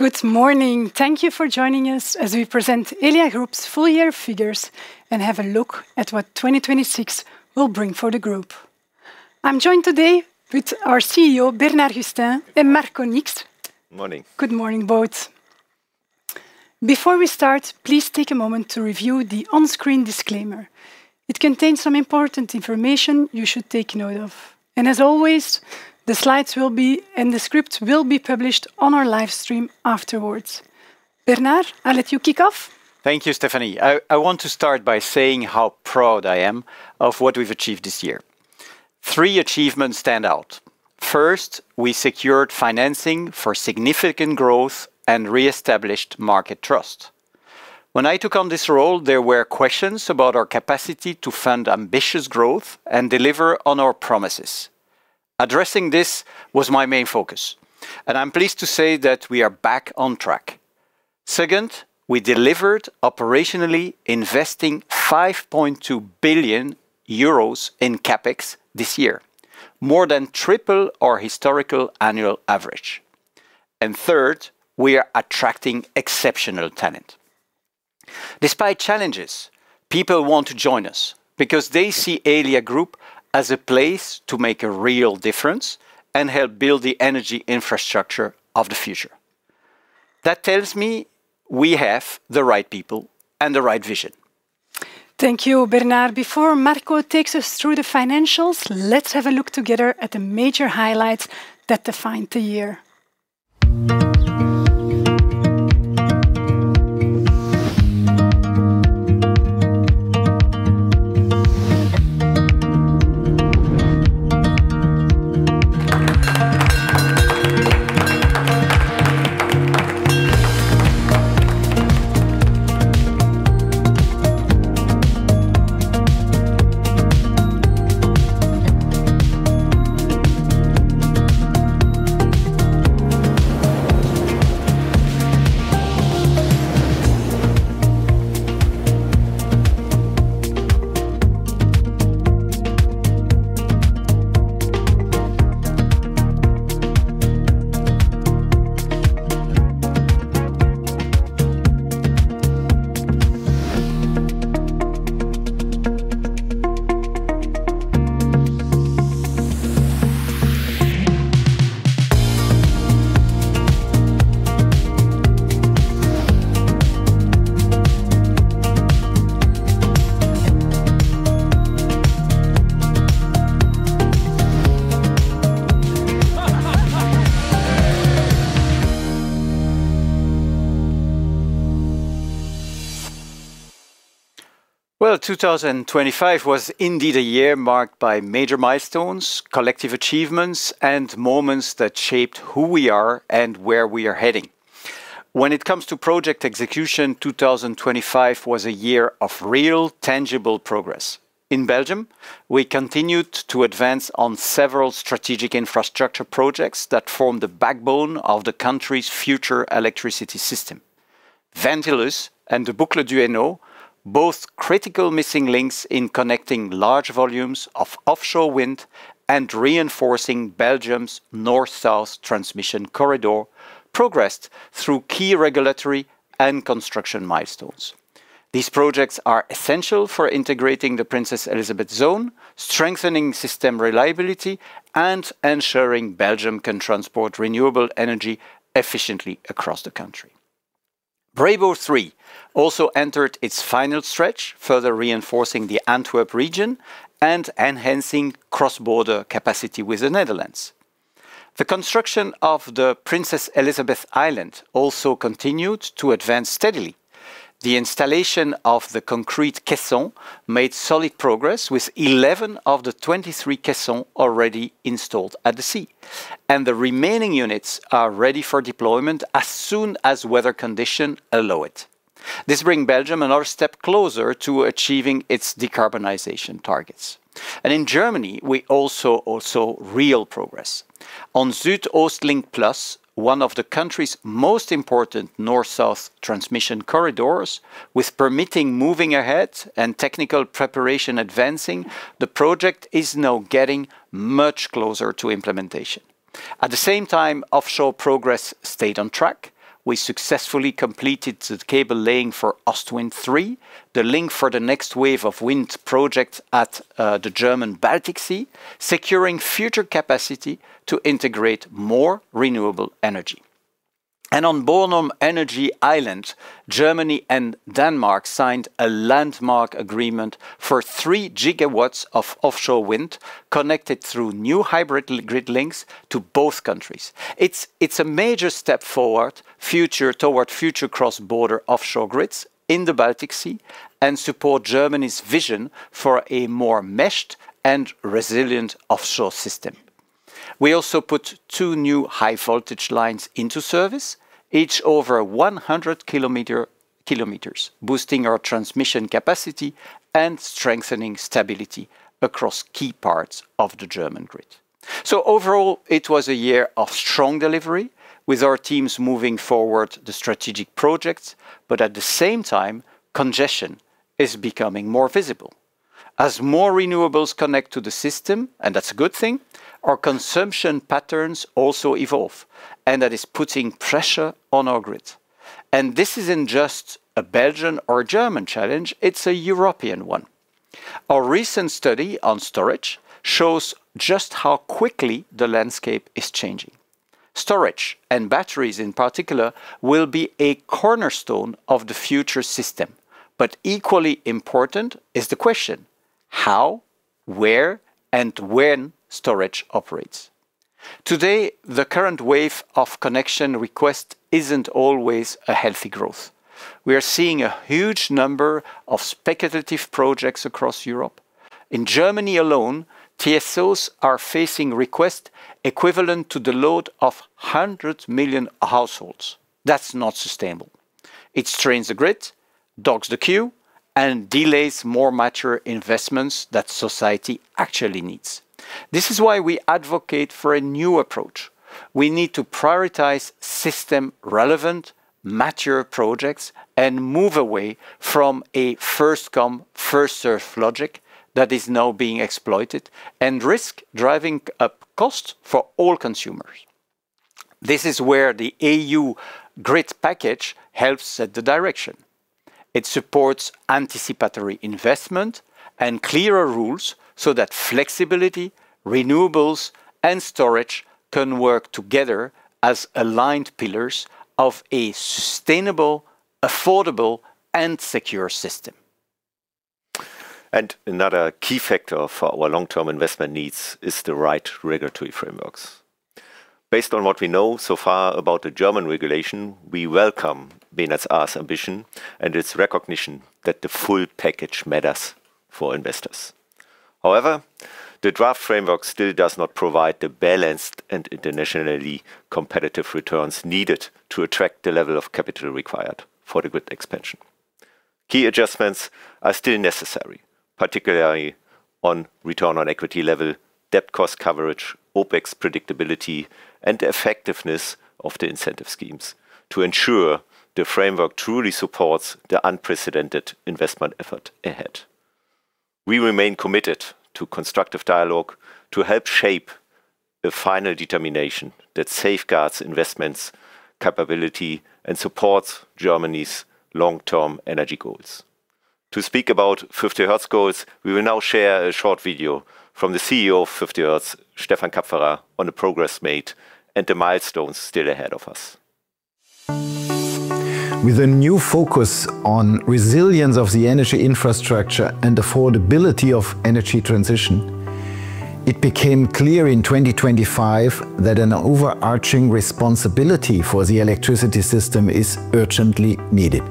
Good morning. Thank you for joining us as we present Elia Group's full year figures and have a look at what 2026 will bring for the group. I'm joined today with our CEO, Bernard Gustin and Marco Nix. Morning. Good morning, both. Before we start, please take a moment to review the on-screen disclaimer. It contains some important information you should take note of. As always, the slides will be, and the script will be published on our live stream afterwards. Bernard, I'll let you kick off. Thank you, Stephanie. I want to start by saying how proud I am of what we've achieved this year. Three achievements stand out. First, we secured financing for significant growth and re-established market trust. When I took on this role, there were questions about our capacity to fund ambitious growth and deliver on our promises. Addressing this was my main focus, and I'm pleased to say that we are back on track. Second, we delivered operationally investing 5.2 billion euros in CapEx this year, more than triple our historical annual average. Third, we are attracting exceptional talent. Despite challenges, people want to join us because they see Elia Group as a place to make a real difference and help build the energy infrastructure of the future. That tells me we have the right people and the right vision. Thank you, Bernard. Before Marco takes us through the financials, let's have a look together at the major highlights that defined the year. Well, 2025 was indeed a year marked by major milestones, collective achievements, and moments that shaped who we are and where we are heading. When it comes to project execution, 2025 was a year of real tangible progress. In Belgium, we continued to advance on several strategic infrastructure projects that form the backbone of the country's future electricity system. Ventilus and the Boucle du Hainaut, both critical missing links in connecting large volumes of offshore wind and reinforcing Belgium's north-south transmission corridor progressed through key regulatory and construction milestones. These projects are essential for integrating the Princess Elisabeth Zone, strengthening system reliability, and ensuring Belgium can transport renewable energy efficiently across the country. Brabo III also entered its final stretch, further reinforcing the Antwerp region and enhancing cross-border capacity with the Netherlands. The construction of the Princess Elisabeth Island also continued to advance steadily. The installation of the concrete caisson made solid progress with 11 of the 23 caisson already installed at the sea. The remaining units are ready for deployment as soon as weather condition allow it. This bring Belgium another step closer to achieving its decarbonization targets. In Germany, we also saw real progress. On SuedOstLink+, one of the country's most important north-south transmission corridors, with permitting moving ahead and technical preparation advancing, the project is now getting much closer to implementation. At the same time, offshore progress stayed on track. We successfully completed the cable laying for Ostwind 3, the link for the next wave of wind projects at the German Baltic Sea, securing future capacity to integrate more renewable energy. On Bornholm Energy Island, Germany and Denmark signed a landmark agreement for 3 gigawatts of offshore wind connected through new hybrid grid links to both countries. It's a major step forward toward future cross-border offshore grids in the Baltic Sea and support Germany's vision for a more meshed and resilient offshore system. We also put two new high-voltage lines into service, each over 100 kilometers, boosting our transmission capacity and strengthening stability across key parts of the German grid. Overall, it was a year of strong delivery with our teams moving forward the strategic projects, but at the same time, congestion is becoming more visible. As more renewables connect to the system, and that's a good thing, our consumption patterns also evolve, and that is putting pressure on our grid. This isn't just a Belgian or a German challenge, it's a European one. Our recent study on storage shows just how quickly the landscape is changing. Storage, and batteries in particular, will be a cornerstone of the future system. Equally important is the question, how, where, and when storage operates. Today, the current wave of connection requests isn't always a healthy growth. We are seeing a huge number of speculative projects across Europe. In Germany alone, TSOs are facing requests equivalent to the load of 100 million households. That's not sustainable. It strains the grid, docks the queue, and delays more mature investments that society actually needs. This is why we advocate for a new approach. We need to prioritize system-relevant, mature projects and move away from a first come, first served logic that is now being exploited and risks driving up costs for all consumers. This is where the EU grid package helps set the direction. It supports anticipatory investment and clearer rules so that flexibility, renewables, and storage can work together as aligned pillars of a sustainable, affordable, and secure system. Another key factor for our long-term investment needs is the right regulatory frameworks. Based on what we know so far about the German regulation, we welcome Bundesnetzagentur's ambition and its recognition that the full package matters for investors. However, the draft framework still does not provide the balanced and internationally competitive returns needed to attract the level of capital required for the grid expansion. Key adjustments are still necessary, particularly on Return on Equity level, debt cost coverage, OpEx predictability, and effectiveness of the incentive schemes to ensure the framework truly supports the unprecedented investment effort ahead. We remain committed to constructive dialogue to help shape the final determination that safeguards investments capability and supports Germany's long-term energy goals. To speak about 50Hertz goals, we will now share a short video from the CEO of 50Hertz, Stefan Kapferer, on the progress made and the milestones still ahead of us. With a new focus on resilience of the energy infrastructure and affordability of energy transition, it became clear in 2025 that an overarching responsibility for the electricity system is urgently needed.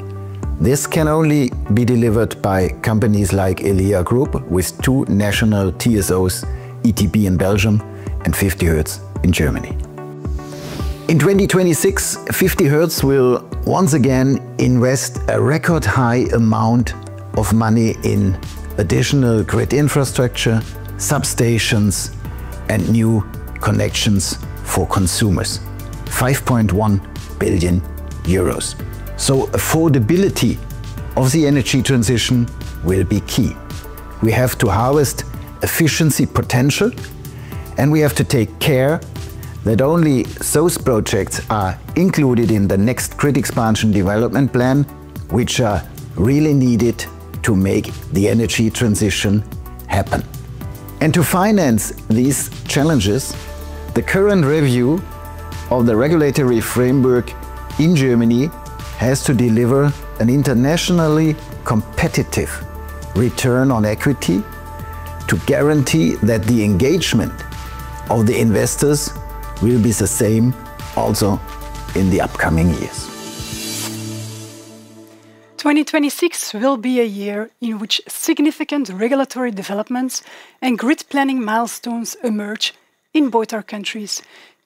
This can only be delivered by companies like Elia Group with two national TSOs, ETB in Belgium and 50Hertz in Germany. In 2026, 50Hertz will once again invest a record high amount of money in additional grid infrastructure, substations, and new connections for consumers, EUR 5.1 billion. Affordability of the energy transition will be key. We have to harvest efficiency potential, and we have to take care that only those projects are included in the next grid expansion development plan, which are really needed to make the energy transition happen. To finance these challenges, the current review of the regulatory framework in Germany has to deliver an internationally competitive return on equity to guarantee that the engagement of the investors will be the same also in the upcoming years. 2026 will be a year in which significant regulatory developments and grid planning milestones emerge in both our countries,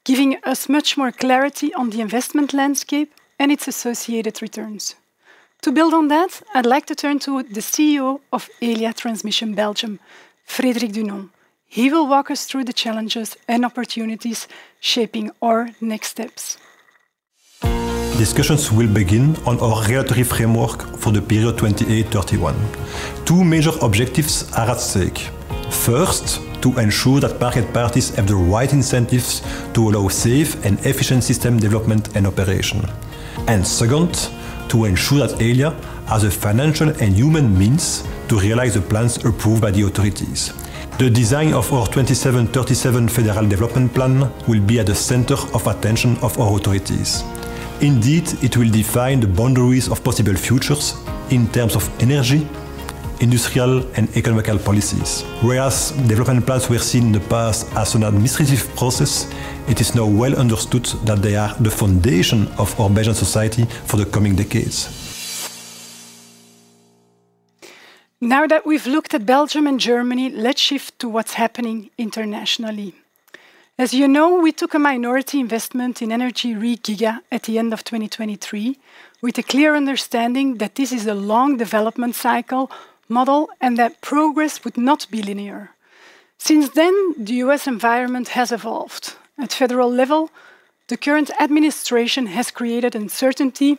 giving us much more clarity on the investment landscape and its associated returns. To build on that, I'd like to turn to the CEO of Elia Transmission Belgium, Frédéric Dunon. He will walk us through the challenges and opportunities shaping our next steps. Discussions will begin on our regulatory framework for the period 28, 31. Two major objectives are at stake. First, to ensure that market parties have the right incentives to allow safe and efficient system development and operation. Second, to ensure that Elia has the financial and human means to realize the plans approved by the authorities. The design of our 27, 37 federal development plan will be at the center of attention of our authorities. Indeed, it will define the boundaries of possible futures in terms of energy, industrial, and economical policies. Whereas development plans were seen in the past as an administrative process, it is now well understood that they are the foundation of our Belgian society for the coming decades. Now that we've looked at Belgium and Germany, let's shift to what's happening internationally. As you know, we took a minority investment in energyRe Giga at the end of 2023 with a clear understanding that this is a long development cycle model and that progress would not be linear. Since then, the U.S. environment has evolved. At federal level, the current administration has created uncertainty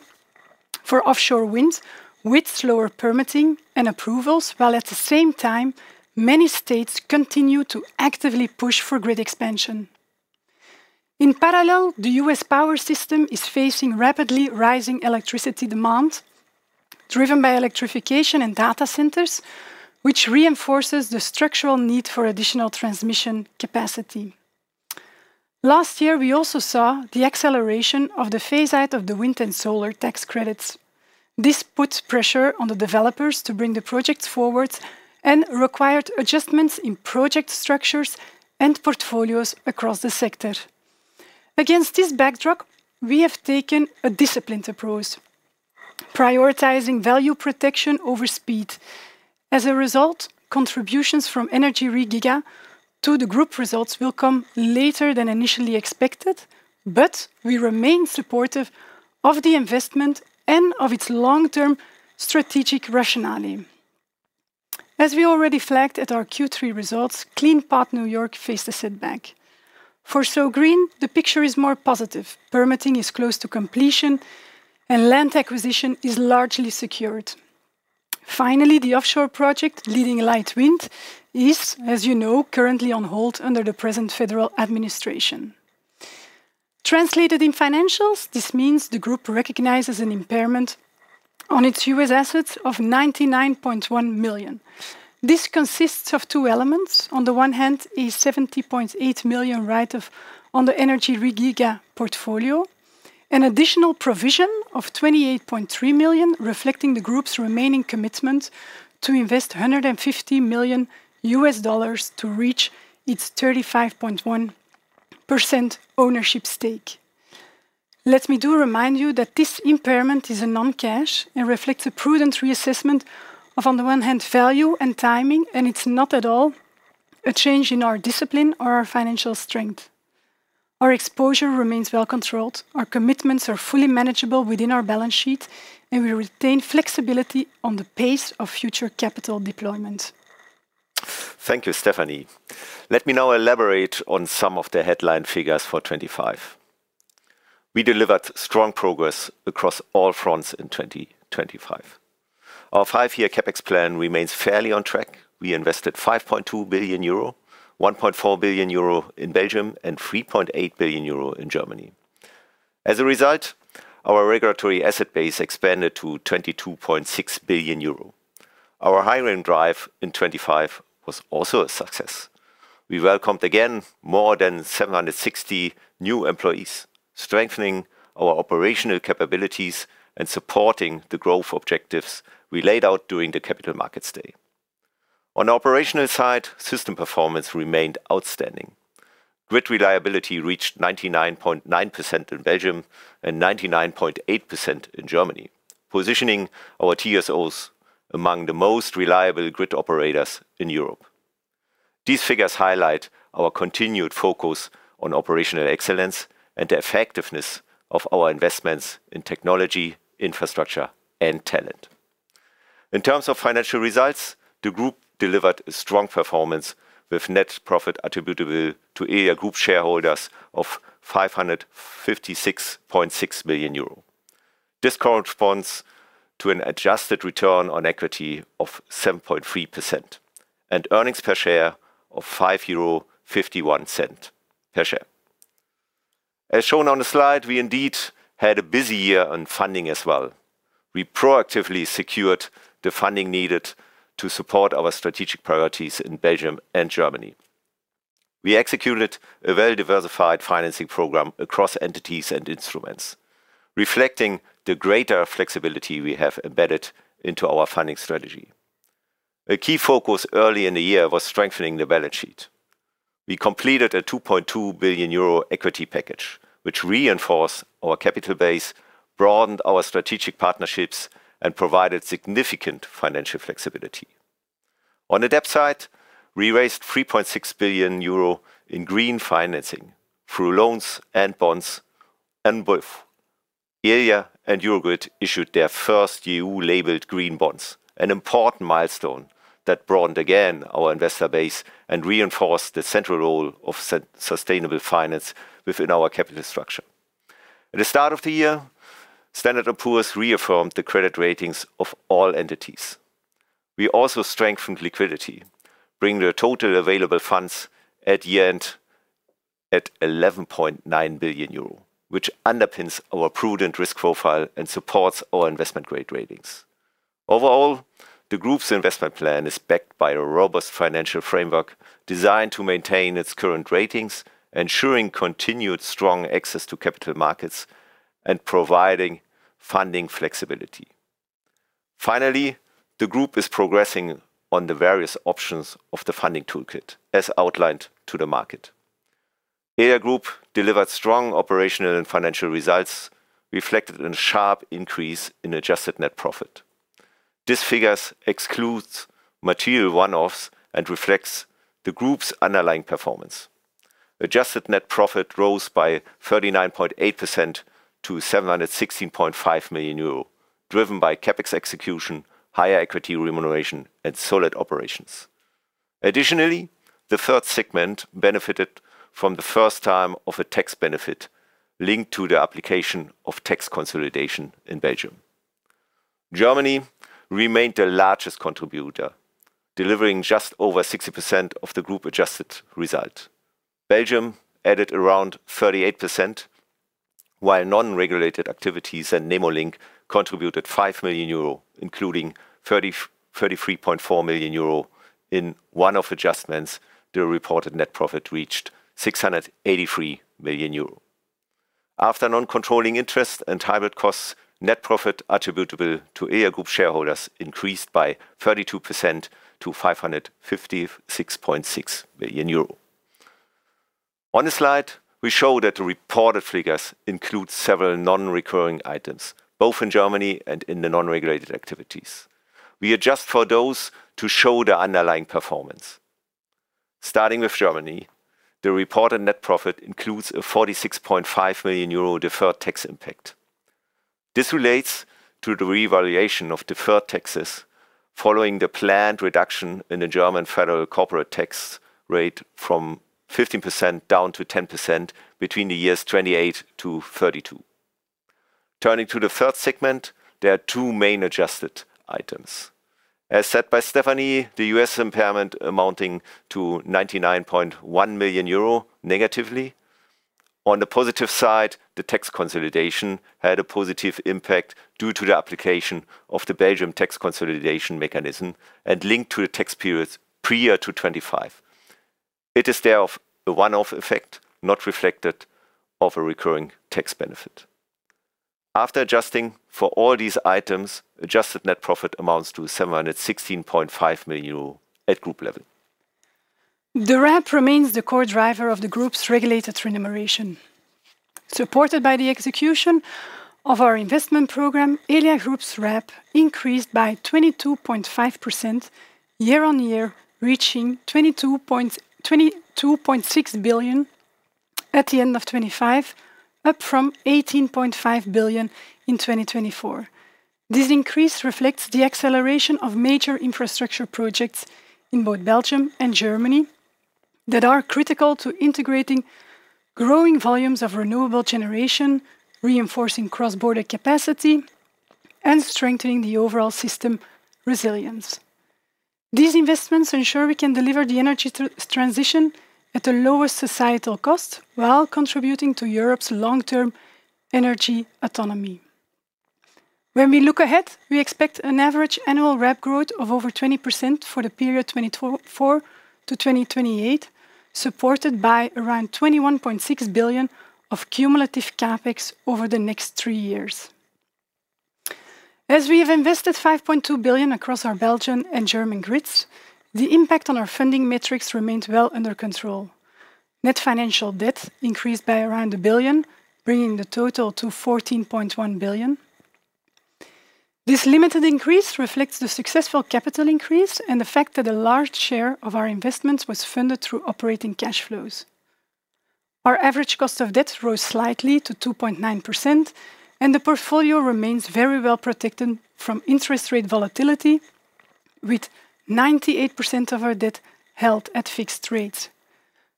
for offshore wind with slower permitting and approvals, while at the same time many states continue to actively push for grid expansion. In parallel, the U.S. power system is facing rapidly rising electricity demand, driven by electrification and data centers, which reinforces the structural need for additional transmission capacity. Last year, we also saw the acceleration of the phase out of the wind and solar tax credits. This puts pressure on the developers to bring the projects forward and required adjustments in project structures and portfolios across the sector. Against this backdrop, we have taken a disciplined approach, prioritizing value protection over speed. As a result, contributions from energyRe Giga to the group results will come later than initially expected, but we remain supportive of the investment and of its long-term strategic rationale. As we already flagged at our Q3 results, Clean Path New York faced a setback. The picture is more positive. Permitting is close to completion and land acquisition is largely secured. Finally, the offshore project, Leading Light Wind, is, as you know, currently on hold under the present federal administration. Translated in financials, this means the group recognizes an impairment on its U.S. assets of $99.1 million. This consists of two elements. On the one hand, a 70.8 million write-off on the energyRe Giga portfolio. An additional provision of 28.3 million, reflecting the group's remaining commitment to invest $150 million US dollars to reach its 35.1% ownership stake. Let me do remind you that this impairment is a non-cash and reflects a prudent reassessment of, on the one hand, value and timing. It's not at all a change in our discipline or our financial strength. Our exposure remains well controlled. Our commitments are fully manageable within our balance sheet. We retain flexibility on the pace of future capital deployment. Thank you, Stephanie. Let me now elaborate on some of the headline figures for 2025. We delivered strong progress across all fronts in 2025. Our five-year CapEx plan remains fairly on track. We invested 5.2 billion euro, 1.4 billion euro in Belgium, and 3.8 billion euro in Germany. As a result, our regulatory asset base expanded to 22.6 billion euro. Our hiring drive in 2025 was also a success. We welcomed again more than 760 new employees, strengthening our operational capabilities and supporting the growth objectives we laid out during the Capital Markets Day. On the operational side, system performance remained outstanding. Grid reliability reached 99.9% in Belgium and 99.8% in Germany, positioning our TSOs among the most reliable grid operators in Europe. These figures highlight our continued focus on operational excellence and the effectiveness of our investments in technology, infrastructure, and talent. In terms of financial results, the group delivered a strong performance with net profit attributable to Elia Group shareholders of 556.6 million euro. This corresponds to an adjusted return on equity of 7.3% and earnings per share of 5.51 euro per share. As shown on the slide, we indeed had a busy year on funding as well. We proactively secured the funding needed to support our strategic priorities in Belgium and Germany. We executed a very diversified financing program across entities and instruments, reflecting the greater flexibility we have embedded into our funding strategy. A key focus early in the year was strengthening the balance sheet. We completed a 2.2 billion euro equity package, which reinforced our capital base, broadened our strategic partnerships, and provided significant financial flexibility. On the debt side, we raised 3.6 billion euro in green financing through loans and bonds, and both Elia and Eurogrid issued their first EU-labeled green bonds, an important milestone that broadened again our investor base and reinforced the central role of sustainable finance within our capital structure. At the start of the year, Standard & Poor's reaffirmed the credit ratings of all entities. We also strengthened liquidity, bringing the total available funds at year-end at 11.9 billion euro, which underpins our prudent risk profile and supports our investment-grade ratings. Overall, the group's investment plan is backed by a robust financial framework designed to maintain its current ratings, ensuring continued strong access to capital markets and providing funding flexibility. Finally, the group is progressing on the various options of the funding toolkit as outlined to the market. Elia Group delivered strong operational and financial results, reflected in a sharp increase in adjusted net profit. This figures excludes material one-offs and reflects the group's underlying performance. Adjusted net profit rose by 39.8% to 716.5 million euro, driven by CapEx execution, higher equity remuneration, and solid operations. Additionally, the third segment benefited from the first time of a tax benefit linked to the application of tax consolidation in Belgium. Germany remained the largest contributor, delivering just over 60% of the group adjusted result. Belgium added around 38%, while non-regulated activities and Nemo Link contributed 5 million euro, including 33.4 million euro in one-off adjustments, the reported net profit reached 683 million euro. After non-controlling interest and hybrid costs, net profit attributable to Elia Group shareholders increased by 32% to 556.6 million euro. On the slide, we show that the reported figures include several non-recurring items, both in Germany and in the non-regulated activities. We adjust for those to show the underlying performance. Starting with Germany, the reported net profit includes a 46.5 million euro deferred tax impact. This relates to the revaluation of deferred taxes following the planned reduction in the German federal corporate tax rate from 15% down to 10% between the years 2028-2032. Turning to the third segment, there are two main adjusted items. As said by Stephanie, the U.S. impairment amounting to 99.1 million euro negatively. On the positive side, the tax consolidation had a positive impact due to the application of the Belgium tax consolidation mechanism and linked to the tax periods prior to 25. It is there of a one-off effect, not reflected of a recurring tax benefit. After adjusting for all these items, adjusted net profit amounts to 716.5 million euro at group level. The RAB remains the core driver of the group's regulated remuneration. Supported by the execution of our investment program, Elia Group's RAB increased by 22.5% year-over-year, reaching 22.6 billion at the end of 2025, up from 18.5 billion in 2024. This increase reflects the acceleration of major infrastructure projects in both Belgium and Germany that are critical to integrating growing volumes of renewable generation, reinforcing cross-border capacity, and strengthening the overall system resilience. These investments ensure we can deliver the energy transition at the lowest societal cost, while contributing to Europe's long-term energy autonomy. When we look ahead, we expect an average annual RAB growth of over 20% for the period 2024-2028, supported by around 21.6 billion of cumulative CapEx over the next three years. As we have invested 5.2 billion across our Belgian and German grids, the impact on our funding metrics remains well under control. Net financial debt increased by 1 billion, bringing the total to 14.1 billion. This limited increase reflects the successful capital increase and the fact that a large share of our investments was funded through operating cash flows. Our average cost of debt rose slightly to 2.9%. The portfolio remains very well-protected from interest rate volatility with 98% of our debt held at fixed rates.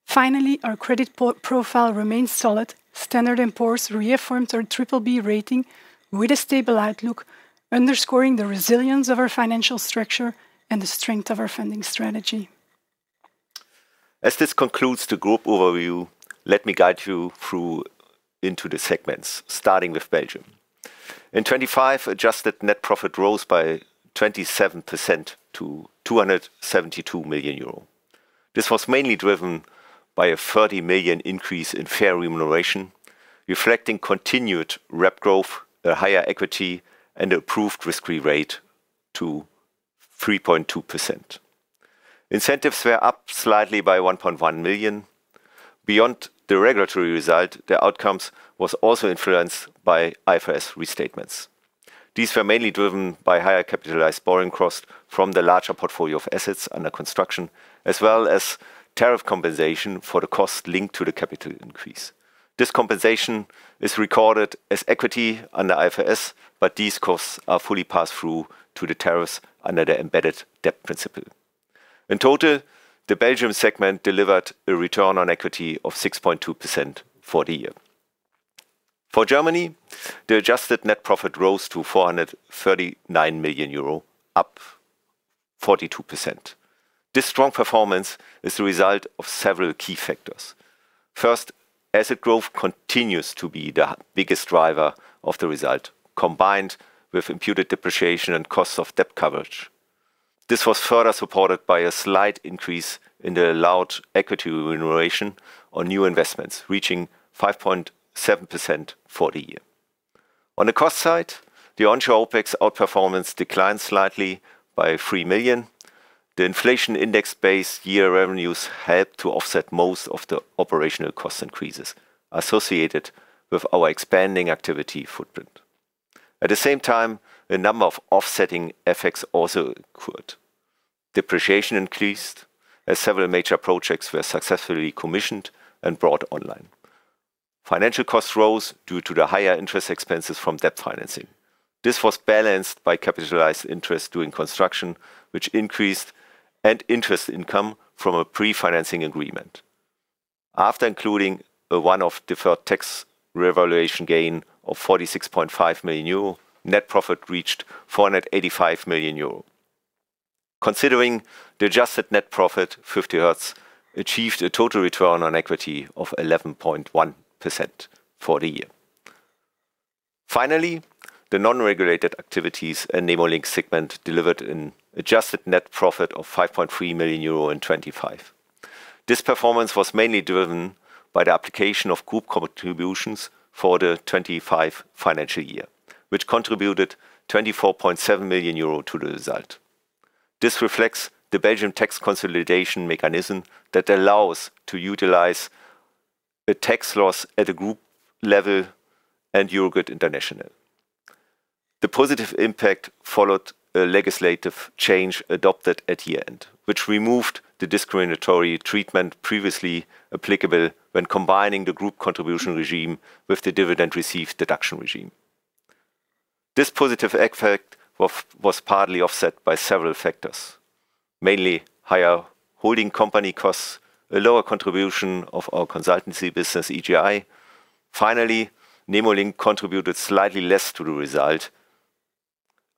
Finally, our credit profile remains solid. Standard & Poor's reaffirmed our BBB rating with a stable outlook, underscoring the resilience of our financial structure and the strength of our funding strategy. As this concludes the group overview, let me guide you through into the segments, starting with Belgium. In 2025, adjusted net profit rose by 27% to 272 million euro. This was mainly driven by a 30 million increase in fair remuneration, reflecting continued RAB growth, a higher equity, and improved risk-free rate to 3.2%. Incentives were up slightly by 1.1 million. Beyond the regulatory result, the outcomes was also influenced by IFRS restatements. These were mainly driven by higher capitalized borrowing costs from the larger portfolio of assets under construction, as well as tariff compensation for the cost linked to the capital increase. This compensation is recorded as equity under IFRS, but these costs are fully passed through to the tariffs under the embedded debt principle. In total, the Belgium segment delivered a Return on Equity of 6.2% for the year. For Germany, the adjusted net profit rose to 439 million euro, up 42%. This strong performance is the result of several key factors. First, asset growth continues to be the biggest driver of the result, combined with imputed depreciation and costs of debt coverage. This was further supported by a slight increase in the allowed equity remuneration on new investments, reaching 5.7% for the year. On the cost side, the onshore OpEx outperformance declined slightly by 3 million. The inflation index base year revenues helped to offset most of the operational cost increases associated with our expanding activity footprint. At the same time, a number of offsetting effects also occurred. Depreciation increased as several major projects were successfully commissioned and brought online. Financial costs rose due to the higher interest expenses from debt financing. This was balanced by capitalized interest during construction, which increased, and interest income from a pre-financing agreement. After including a one-off deferred tax revaluation gain of 46.5 million euro, net profit reached 485 million euro. Considering the adjusted net profit, 50Hertz achieved a total return on equity of 11.1% for the year. Finally, the non-regulated activities, a Nemo Link segment, delivered an adjusted net profit of 5.3 million euro in 2025. This performance was mainly driven by the application of group contributions for the 2025 financial year, which contributed 24.7 million euro to the result. This reflects the Belgian tax consolidation mechanism that allows to utilize a tax loss at a group level and Eurogrid International. The positive impact followed a legislative change adopted at the end, which removed the discriminatory treatment previously applicable when combining the group contribution regime with the dividend received deduction regime. This positive effect was partly offset by several factors, mainly higher holding company costs, a lower contribution of our consultancy business, EGI. Finally, Nemo Link contributed slightly less to the result.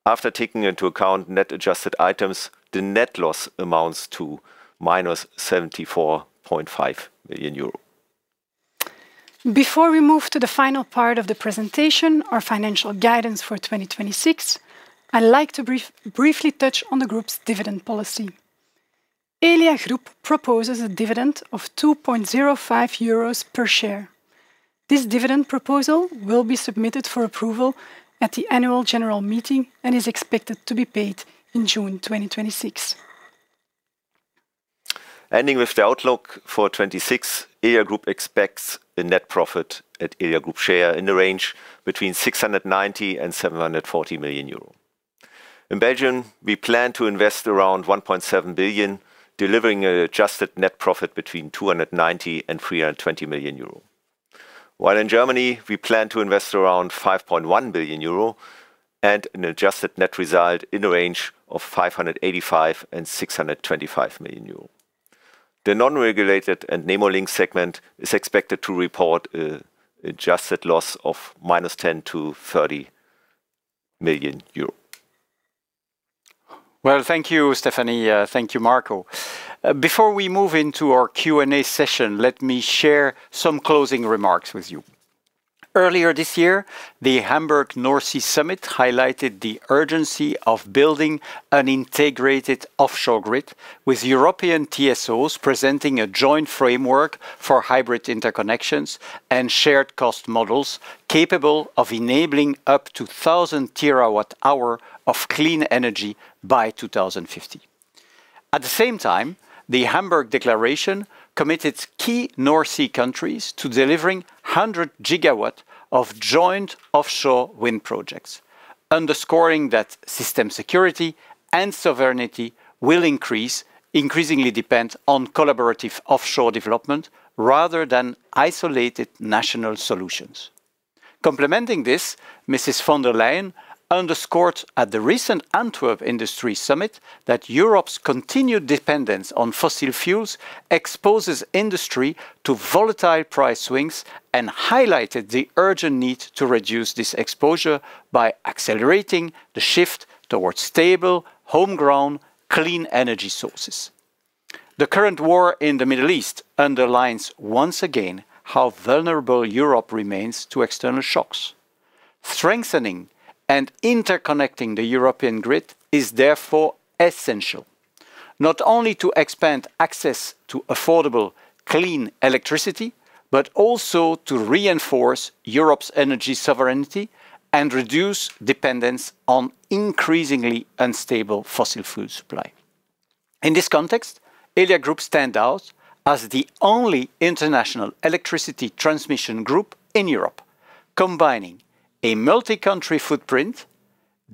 After taking into account net adjusted items, the net loss amounts to minus 74.5 million euro. Before we move to the final part of the presentation, our financial guidance for 2026, I'd like to briefly touch on the group's dividend policy. Elia Group proposes a dividend of 2.05 euros per share. This dividend proposal will be submitted for approval at the annual general meeting and is expected to be paid in June 2026. Ending with the outlook for 2026, Elia Group expects a net profit at Elia Group share in the range between 690 million and 740 million euro. In Belgium, we plan to invest around 1.7 billion, delivering an adjusted net profit between 290 million and 320 million euro. In Germany, we plan to invest around 5.1 billion euro and an adjusted net result in the range of 585 million and 625 million euro. The non-regulated and Nemo Link segment is expected to report an adjusted loss of minus 10 million - 30 million euro. Well, thank you, Stephanie. Thank you, Marco. Before we move into our Q&A session, let me share some closing remarks with you. Earlier this year, the Hamburg North Sea Summit highlighted the urgency of building an integrated offshore grid with European TSOs presenting a joint framework for hybrid interconnections and shared cost models capable of enabling up to 1,000 terawatt hour of clean energy by 2050. At the same time, the Hamburg Declaration committed key North Sea countries to delivering 100 gigawatt of joint offshore wind projects, underscoring that system security and sovereignty will increasingly depend on collaborative offshore development rather than isolated national solutions. Complementing this, Mrs. Von der Leyen underscored at the recent Antwerp Industry Summit that Europe's continued dependence on fossil fuels exposes industry to volatile price swings and highlighted the urgent need to reduce this exposure by accelerating the shift towards stable, homegrown, clean energy sources. The current war in the Middle East underlines once again how vulnerable Europe remains to external shocks. Strengthening and interconnecting the European grid is therefore essential, not only to expand access to affordable, clean electricity, but also to reinforce Europe's energy sovereignty and reduce dependence on increasingly unstable fossil fuel supply. In this context, Elia Group stand out as the only international electricity transmission group in Europe, combining a multi-country footprint,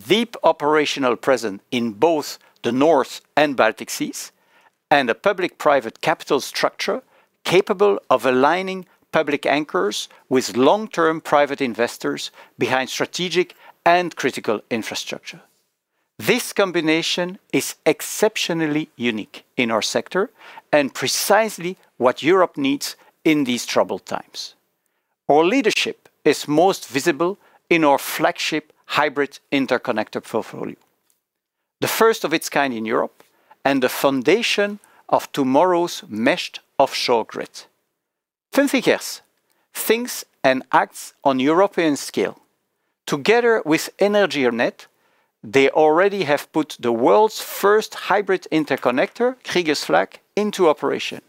deep operational presence in both the North and Baltic Sea, and a public-private capital structure capable of aligning public anchors with long-term private investors behind strategic and critical infrastructure. This combination is exceptionally unique in our sector and precisely what Europe needs in these troubled times. Our leadership is most visible in our flagship hybrid interconnector portfolio, the first of its kind in Europe and the foundation of tomorrow's meshed offshore grid. 50Hertz thinks and acts on European scale. Together with Energinet, they already have put the world's first hybrid interconnector, Kriegers Flak, into operation.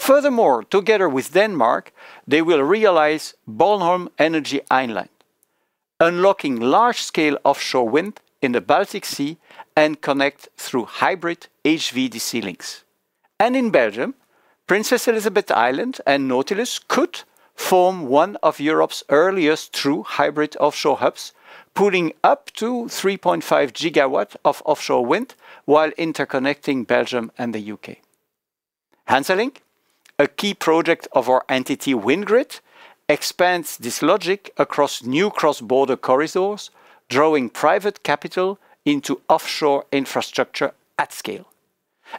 Together with Denmark, they will realize Bornholm Energy Island, unlocking large-scale offshore wind in the Baltic Sea and connect through hybrid HVDC links. In Belgium, Princess Elisabeth Island and Nautilus could form one of Europe's earliest true hybrid offshore hubs, pulling up to 3.5 gigawatt of offshore wind while interconnecting Belgium and the U.K. HansaLink, a key project of our entity, WindGrid, expands this logic across new cross-border corridors, drawing private capital into offshore infrastructure at scale.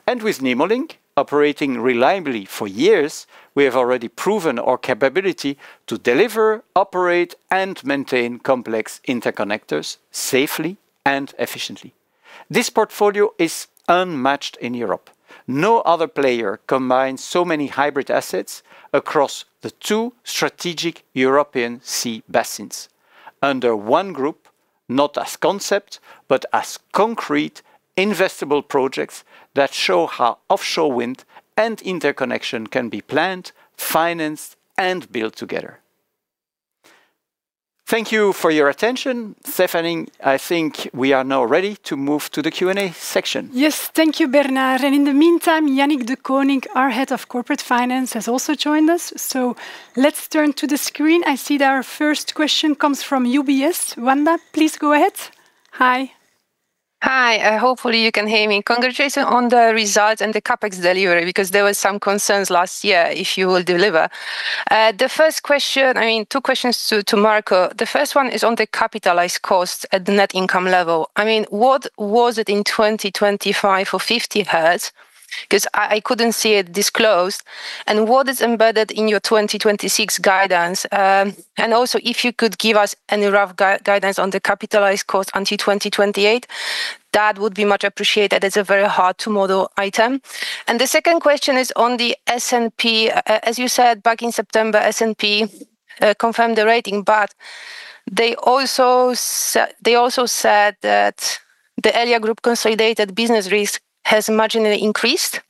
With Nemo Link operating reliably for years, we have already proven our capability to deliver, operate, and maintain complex interconnectors safely and efficiently. This portfolio is unmatched in Europe. No other player combines so many hybrid assets across the two strategic European sea basins under one group, not as concept, but as concrete investable projects that show how offshore wind and interconnection can be planned, financed, and built together. Thank you for your attention. Stephanie, I think we are now ready to move to the Q&A section. Yes. Thank you, Bernard. In the meantime, Yannick Deconinck, our Head of Corporate Finance, has also joined us. Let's turn to the screen. I see that our first question comes from UBS. Wanda, please go ahead. Hi. Hi. Hopefully you can hear me. Mm-hmm. Congratulations on the results and the CapEx delivery because there were some concerns last year if you will deliver. I mean, two questions to Marco. The first one is on the capitalized costs at the net income level. I mean, what was it in 2025 for 50Hertz? 'Cause I couldn't see it disclosed. What is embedded in your 2026 guidance? Also if you could give us any rough guidance on the capitalized cost until 2028, that would be much appreciated. It's a very hard-to-model item. The second question is on the S&P. As you said back in September, S&P confirmed the rating, they also said that the Elia Group consolidated business risk has marginally increased,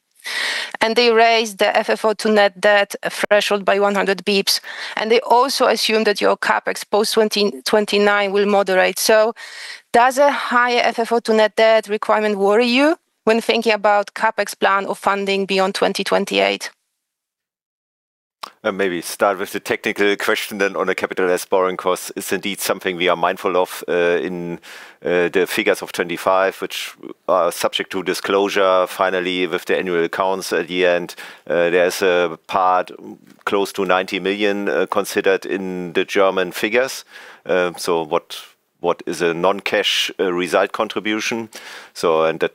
and they raised the FFO to net debt threshold by 100 basis points. They also assumed that your CapEx post 2029 will moderate. Does a higher FFO to net debt requirement worry you when thinking about CapEx plan or funding beyond 2028? Maybe start with the technical question then on the capitalized borrowing cost. It's indeed something we are mindful of in the figures of 2025, which are subject to disclosure finally with the annual accounts at the end. There's a part close to 90 million considered in the German figures. What is a non-cash result contribution? That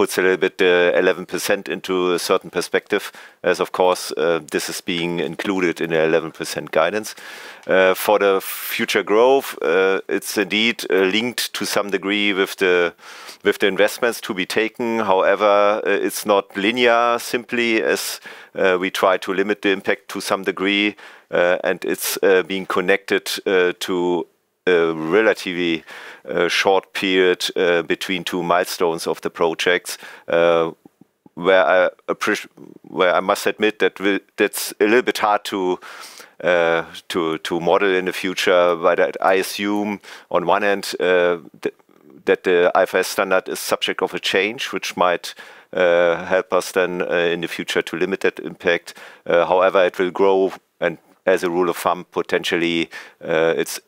puts a little bit 11% into a certain perspective as, of course, this is being included in the 11% guidance. For the future growth, it's indeed linked to some degree with the investments to be taken. However, it's not linear simply as we try to limit the impact to some degree, and it's being connected to a relatively short period between two milestones of the projects, where I must admit that's a little bit hard to model in the future. I assume on one end, that the IFRS standard is subject of a change which might help us then in the future to limit that impact. However, it will grow and as a rule of thumb, potentially,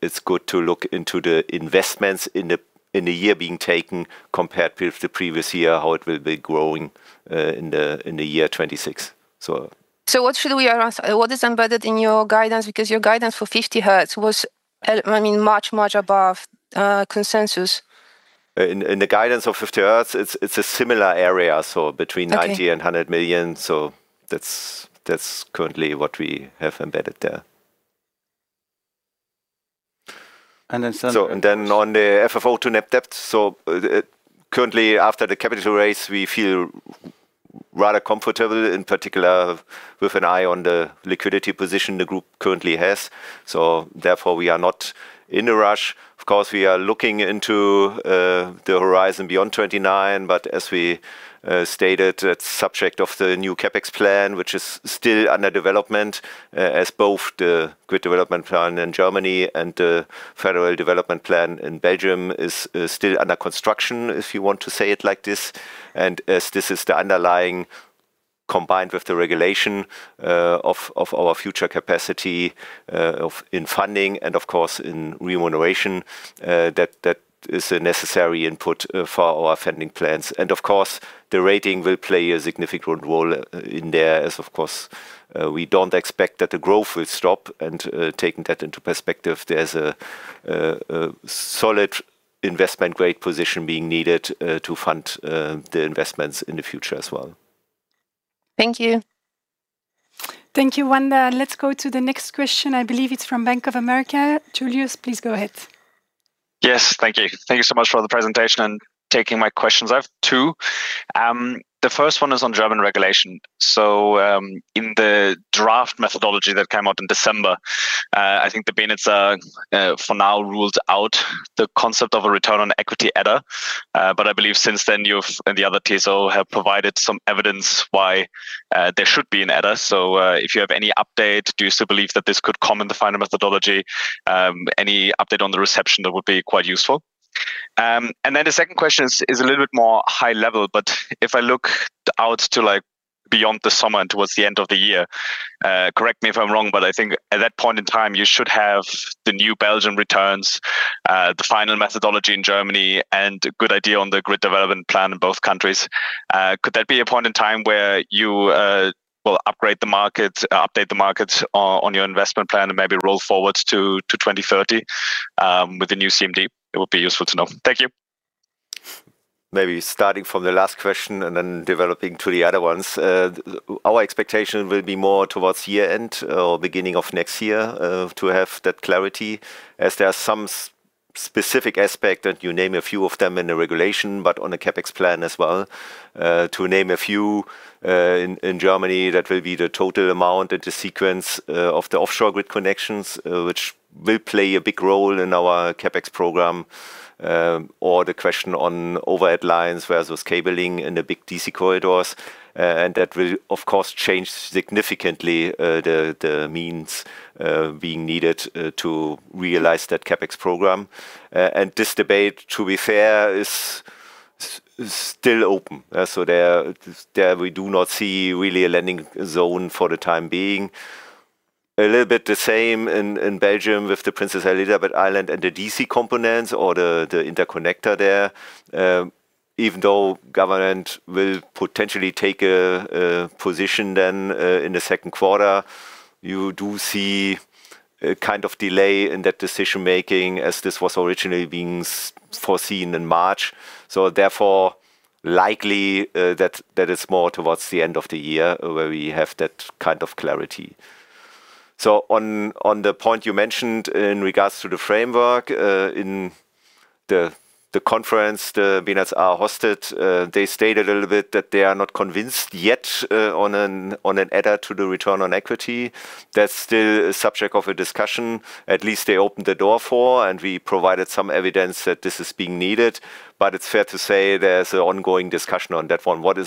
it's good to look into the investments in the year being taken compared with the previous year, how it will be growing in the year 26. What should we What is embedded in your guidance? Your guidance for 50Hertz was I mean, much above consensus. In the guidance of 50Hertz, it's a similar area. Okay ...EUR 90 million-EUR 100 million. That's currently what we have embedded there. And then- On the FFO to net debt, currently after the capital raise, we feel rather comfortable, in particular, with an eye on the liquidity position the group currently has. Therefore, we are not in a rush. Of course, we are looking into the horizon beyond 29. As we stated, it's subject of the new CapEx plan, which is still under development, as both the grid development plan in Germany and the federal development plan in Belgium is still under construction, if you want to say it like this. As this is the underlying, combined with the regulation of our future capacity in funding and of course in remuneration, that is a necessary input for our funding plans. Of course, the rating will play a significant role in there as, of course, we don't expect that the growth will stop. Taking that into perspective, there's a solid investment-grade position being needed to fund the investments in the future as well. Thank you. Thank you, Wanda. Let's go to the next question. I believe it's from Bank of America. Julius, please go ahead. Yes. Thank you. Thank you so much for the presentation and taking my questions. I have two. The first one is on German regulation. In the draft methodology that came out in December, I think the benefits are for now ruled out the concept of a Return on Equity adder. I believe since then you've and the other TSO have provided some evidence why there should be an adder. If you have any update, do you still believe that this could come in the final methodology? Any update on the reception, that would be quite useful. The second question is a little bit more high level, but if I look out to, like, beyond the summer and towards the end of the year, correct me if I'm wrong, but I think at that point in time, you should have the new Belgian returns, the final methodology in Germany and a good idea on the grid development plan in both countries. Could there be a point in time where you will upgrade the market, update the market on your investment plan and maybe roll forwards to 2030 with the new CMD? It would be useful to know. Thank you. Maybe starting from the last question and then developing to the other ones. Our expectation will be more towards year-end or beginning of next year, to have that clarity, as there are some specific aspect that you name a few of them in the regulation, but on a CapEx plan as well. To name a few, in Germany, that will be the total amount and the sequence of the offshore grid connections, which will play a big role in our CapEx program, or the question on overhead lines versus cabling and the big DC corridors. That will, of course, change significantly the means being needed to realize that CapEx program. This debate, to be fair, is still open. There we do not see really a lending zone for the time being. A little bit the same in Belgium with the Princess Elisabeth Island and the DC components or the interconnector there. Even though government will potentially take a position then, in the second quarter, you do see a kind of delay in that decision-making as this was originally being foreseen in March. Therefore, likely, that is more towards the end of the year where we have that kind of clarity. On the point you mentioned in regards to the framework, in the conference, the BNetzA hosted, they stated a little bit that they are not convinced yet, on an adder to the Return on Equity. That's still a subject of a discussion. At least they opened the door for, and we provided some evidence that this is being needed. It's fair to say there's an ongoing discussion on that one. What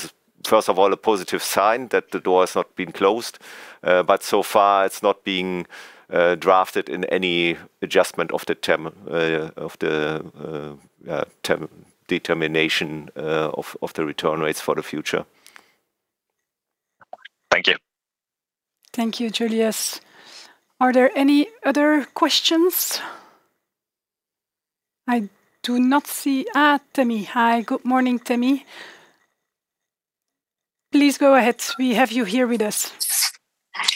is, first of all, a positive sign that the door has not been closed, but so far it's not being drafted in any adjustment of the term, of the term-determination, of the return rates for the future. Thank you. Thank you, Julius. Are there any other questions? I do not see... Temi. Hi. Good morning, Temi. Please go ahead. We have you here with us.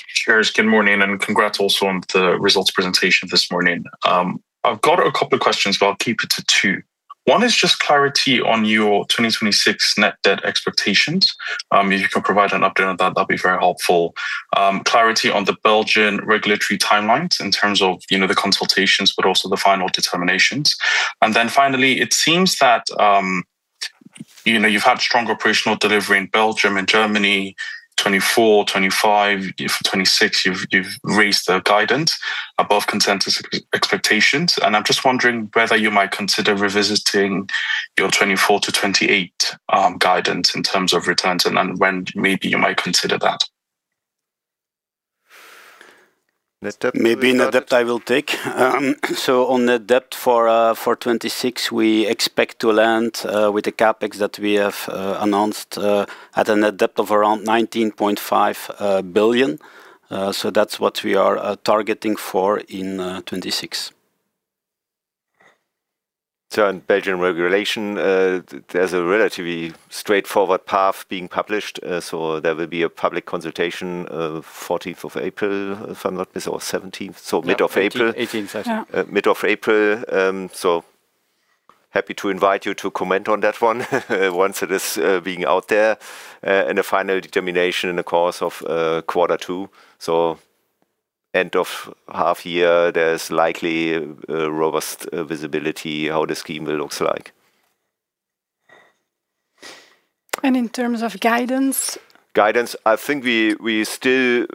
Sure. Good morning, and congrats also on the results presentation this morning. I've got a couple of questions, but I'll keep it to two. One is just clarity on your 2026 net debt expectations. If you can provide an update on that'd be very helpful. Clarity on the Belgian regulatory timelines in terms of, you know, the consultations, but also the final determinations. Finally, it seems that, you know, you've had stronger operational delivery in Belgium and Germany, 2024, 2025. For 2026, you've raised the guidance above consensus expectations. I'm just wondering whether you might consider revisiting your 2024-2028 guidance in terms of returns and when maybe you might consider that. Net debt, maybe net debt I will take. On net debt for 2026, we expect to land with the CapEx that we have announced at a net debt of around 19.5 billion. That's what we are targeting for in 2026. In Belgian regulation, there's a relatively straightforward path being published. There will be a public consultation, 14th of April, if I'm not missed, or 17th. Mid of April. 18, 18th, yeah. Yeah. Mid of April. Happy to invite you to comment on that one once it is being out there. A final determination in the course of Q2. End of half year, there's likely robust visibility how the scheme will looks like. In terms of guidance? Guidance, I think we still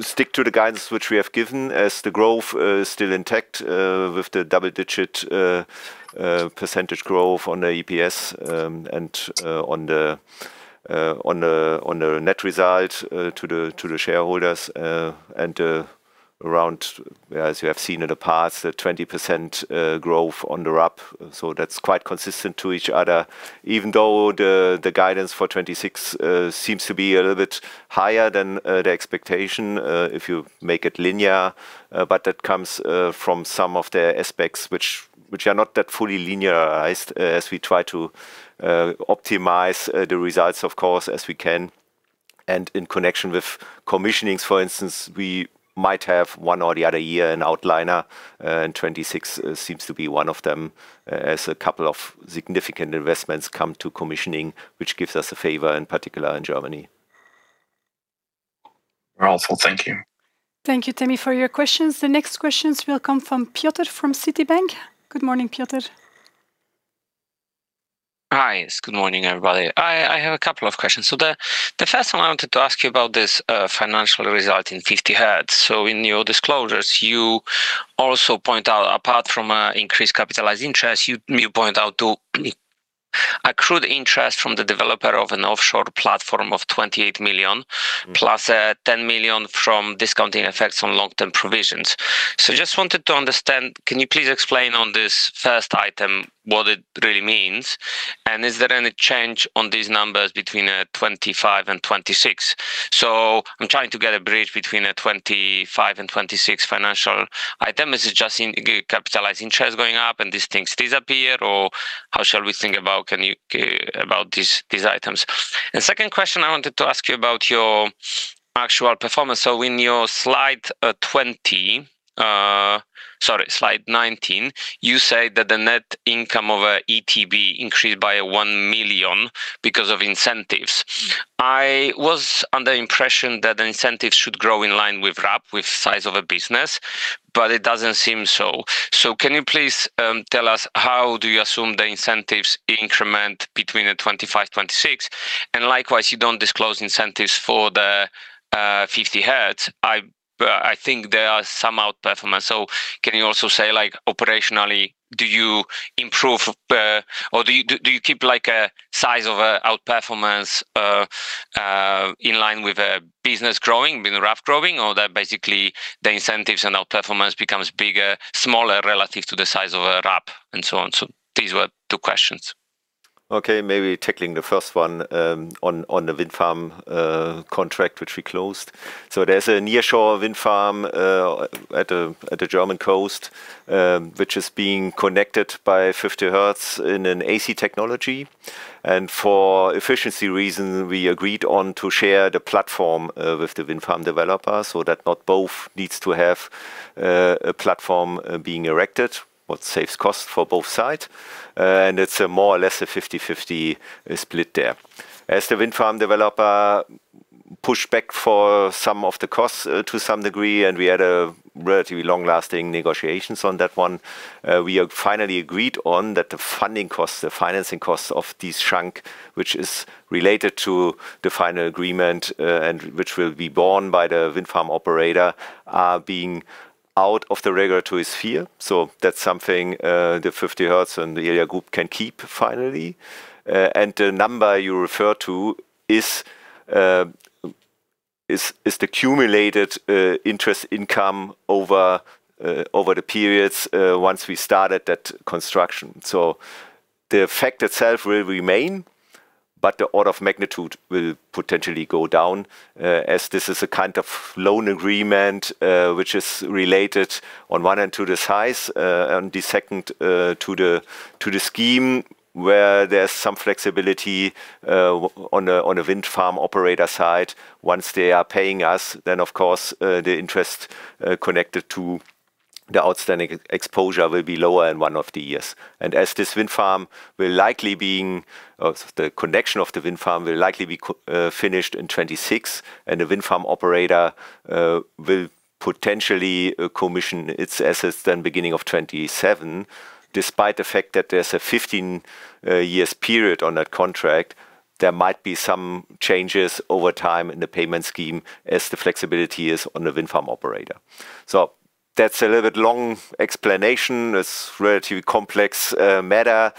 stick to the guidance which we have given as the growth is still intact with the double-digit % growth on the EPS, and on the net result to the shareholders, and around, as you have seen in the past, 20% growth on the RUP. That's quite consistent to each other. Even though the guidance for 2026 seems to be a little bit higher than the expectation if you make it linear. That comes from some of the aspects which are not that fully linearized as we try to optimize the results, of course, as we can. In connection with commissionings, for instance, we might have one or the other year an outlier, and 26 seems to be one of them, as a couple of significant investments come to commissioning, which gives us a favor, in particular in Germany. Wonderful. Thank you. Thank you, Temi, for your questions. The next questions will come from Piotr from Citibank. Good morning, Piotr. Hi. Good morning, everybody. I have a couple of questions. The first one I wanted to ask you about this financial result in 50Hertz. In your disclosures, you also point out, apart from increased capitalized interest, you point out to Accrued interest from the developer of an offshore platform of 28 million, plus 10 million from discounting effects on long-term provisions. Just wanted to understand, can you please explain on this first item what it really means? Is there any change on these numbers between 2025 and 2026? I'm trying to get a bridge between a 2025 and 2026 financial item. Is it just in capitalizing trends going up and these things disappear, or how shall we think about, can you about these items? Second question, I wanted to ask you about your actual performance. In your Slide 20, sorry, Slide 19, you say that the net income of ETB increased by 1 million because of incentives. I was under impression that the incentives should grow in line with RAB, with size of a business, but it doesn't seem so. Can you please tell us how do you assume the incentives increment between 2025 and 2026? Likewise, you don't disclose incentives for 50Hertz. I think there are some outperformance. Can you also say, like, operationally, do you improve, or do you keep like a size of outperformance in line with business growing, with RAB growing, or that basically the incentives and outperformance becomes bigger, smaller relative to the size of a RAB, and so on? These were two questions. Okay, maybe tackling the first one on the wind farm contract, which we closed. There's a nearshore wind farm at the German coast, which is being connected by 50Hertz in an AC technology. For efficiency reasons, we agreed on to share the platform with the wind farm developer so that not both needs to have a platform being erected, what saves costs for both sides. It's a more or less a 50/50 split there. The wind farm developer pushed back for some of the costs to some degree, and we had a relatively long-lasting negotiations on that one. We finally agreed on that the funding costs, the financing costs of this shrunk, which is related to the final agreement, and which will be borne by the wind farm operator, being out of the regulatory sphere. That's something, the 50Hertz and the Elia Group can keep finally. The number you refer to is the accumulated interest income over over the periods, once we started that construction. The effect itself will remain, but the order of magnitude will potentially go down, as this is a kind of loan agreement, which is related on one end to the size, and the second, to the scheme, where there's some flexibility, on a wind farm operator side. Once they are paying us, then of course, the interest connected to the outstanding e-exposure will be lower in one of the years. As this wind farm will likely or the connection of the wind farm will likely be finished in 2026, and the wind farm operator will potentially commission its assets then beginning of 2027. Despite the fact that there's a 15 years period on that contract, there might be some changes over time in the payment scheme as the flexibility is on the wind farm operator. That's a little bit long explanation. It's relatively complex matter,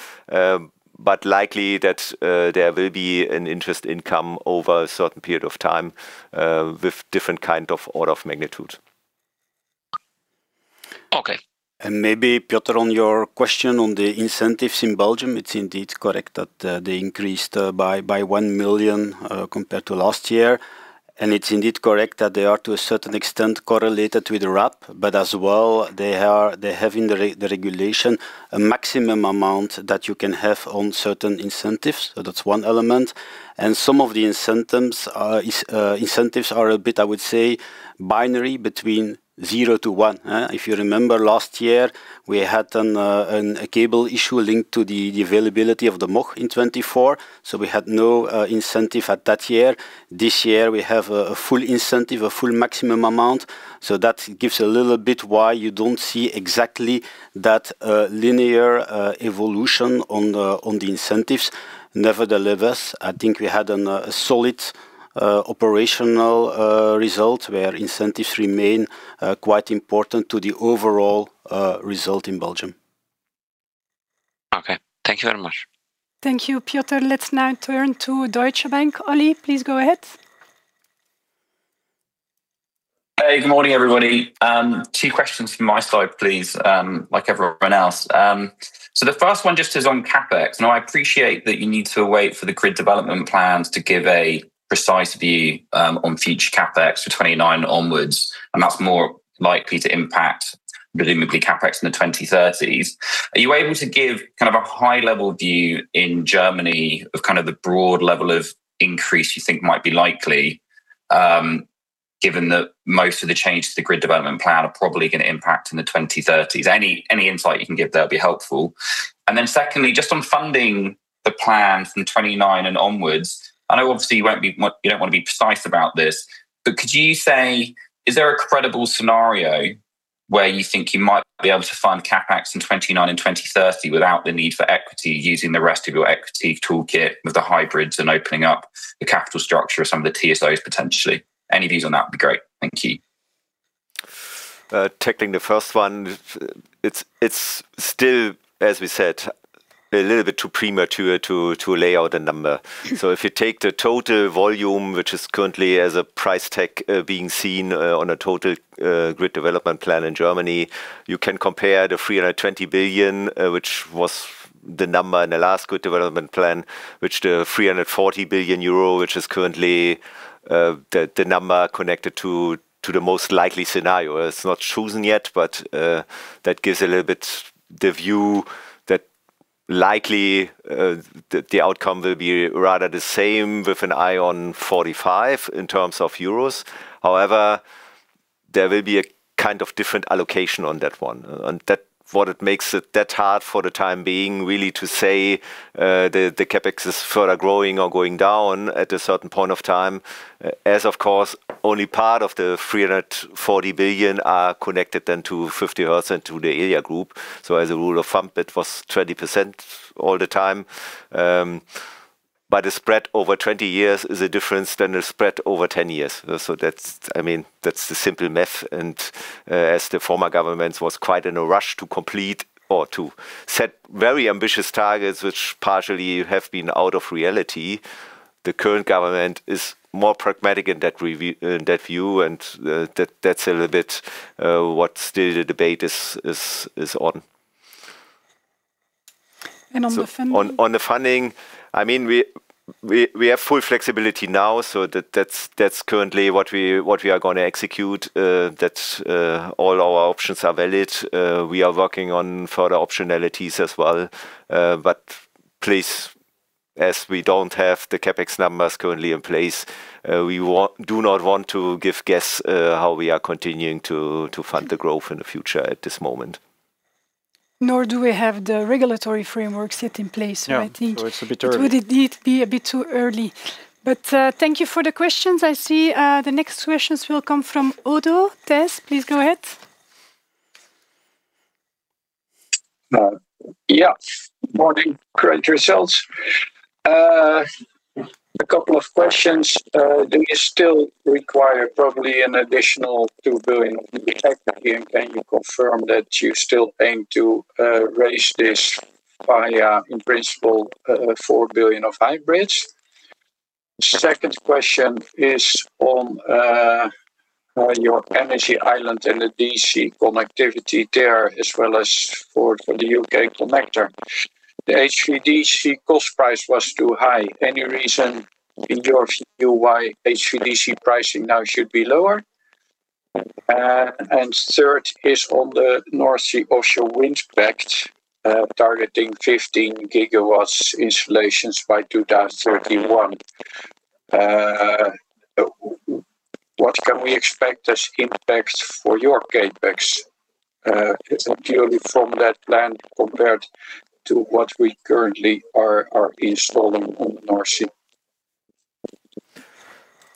but likely that there will be an interest income over a certain period of time with different kind of order of magnitude. Okay. Maybe, Piotr, on your question on the incentives in Belgium, it's indeed correct that they increased by 1 million compared to last year. It's indeed correct that they are to a certain extent correlated with RAB, but as well, they have in the regulation a maximum amount that you can have on certain incentives. That's one element. Some of the incentives are a bit, I would say, binary between zero to one. If you remember last year, we had a cable issue linked to the availability of the Moyle in 2024, we had no incentive at that year. This year we have a full incentive, a full maximum amount. That gives a little bit why you don't see exactly that, linear, evolution on the, on the incentives. Nevertheless, I think we had an, a solid, operational, result where incentives remain, quite important to the overall, result in Belgium. Okay. Thank you very much. Thank you, Piotr. Let's now turn to Deutsche Bank. Olly, please go ahead. Hey, good morning, everybody. Two questions from my side, please, like everyone else. The first one just is on CapEx. Now, I appreciate that you need to wait for the grid development plans to give a precise view on future CapEx for 2029 onwards, and that's more likely to impact presumably CapEx in the 2030s. Are you able to give kind of a high-level view in Germany of kind of the broad level of increase you think might be likely, given that most of the changes to the grid development plan are probably gonna impact in the 2030s? Any, any insight you can give there would be helpful. Secondly, just on funding the plan from 2029 and onwards, I know obviously you don't want to be precise about this, but could you say, is there a credible scenario where you think you might be able to fund CapEx in 2029 and 2030 without the need for equity using the rest of your equity toolkit with the hybrids and opening up the capital structure of some of the TSOs potentially? Any views on that would be great. Thank you. Tackling the first one, it's still, as we said, a little bit too premature to lay out a number. If you take the total volume, which is currently as a price tag, being seen on a total grid development plan in Germany, you can compare the 320 billion, which was the number in the last grid development plan, which the 340 billion euro, which is currently the number connected to the most likely scenario. It's not chosen yet, but that gives a little bit the view that likely the outcome will be rather the same with an eye on 45 in terms of euros. However, there will be a kind of different allocation on that one. What it makes it that hard for the time being, really to say, the CapEx is further growing or going down at a certain point of time, as of course, only part of the 340 billion are connected to 50Hertz and to the Elia Group. As a rule of thumb, it was 20% all the time. The spread over 20 years is a difference than the spread over 10 years. That's, I mean, that's the simple math. As the former government was quite in a rush to complete or to set very ambitious targets, which partially have been out of reality, the current government is more pragmatic in that view, that's a little bit what the debate is on. On the funding? On the funding, I mean, we have full flexibility now. That's currently what we are gonna execute. That all our options are valid. We are working on further optionalities as well. Please, as we don't have the CapEx numbers currently in place, we do not want to give guess how we are continuing to fund the growth in the future at this moment. Nor do we have the regulatory framework set in place. Yeah. It's a bit early. I think it would indeed be a bit too early. Thank you for the questions. I see the next questions will come from Odo Tess. Please go ahead. Yeah. Morning. Great results. A couple of questions. Do you still require probably an additional 2 billion in the CapEx, and can you confirm that you still aim to raise this via, in principle, 4 billion of hybrids? Second question is on your energy island and the DC connectivity there, as well as for the U.K. connector. The HVDC cost price was too high. Any reason in your view why HVDC pricing now should be lower? Third is on the North Sea offshore wind pact, targeting 15 gigawatts installations by 2031. What can we expect as impact for your CapEx, clearly from that plan compared to what we currently are installing on North Sea?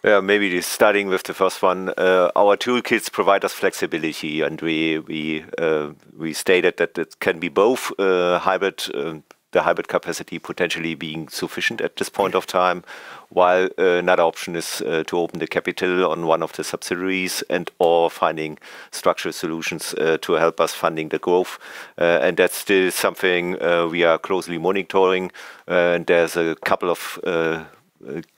Maybe just starting with the first one. Our toolkits provide us flexibility, and we stated that it can be both hybrid, the hybrid capacity potentially being sufficient at this point of time, while another option is to open the capital on one of the subsidiaries and/or finding structural solutions to help us funding the growth. That's still something we are closely monitoring. There's a couple of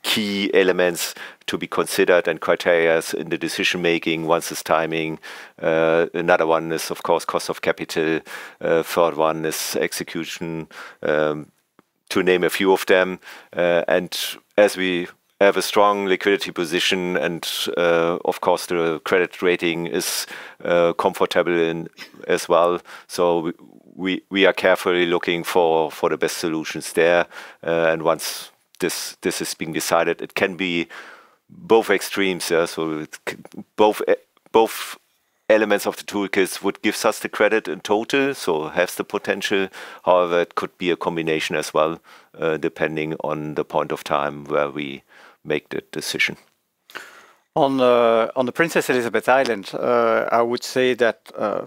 key elements to be considered and criterias in the decision-making. One is timing. Another one is, of course, cost of capital. Third one is execution to name a few of them. As we have a strong liquidity position and, of course, the credit rating is comfortable in as well. We are carefully looking for the best solutions there. Once this is being decided, it can be both extremes. Yeah. Both elements of the toolkit would give us the credit in total, so has the potential. However, it could be a combination as well, depending on the point of time where we make the decision. On the Princess Elisabeth Island, I would say that,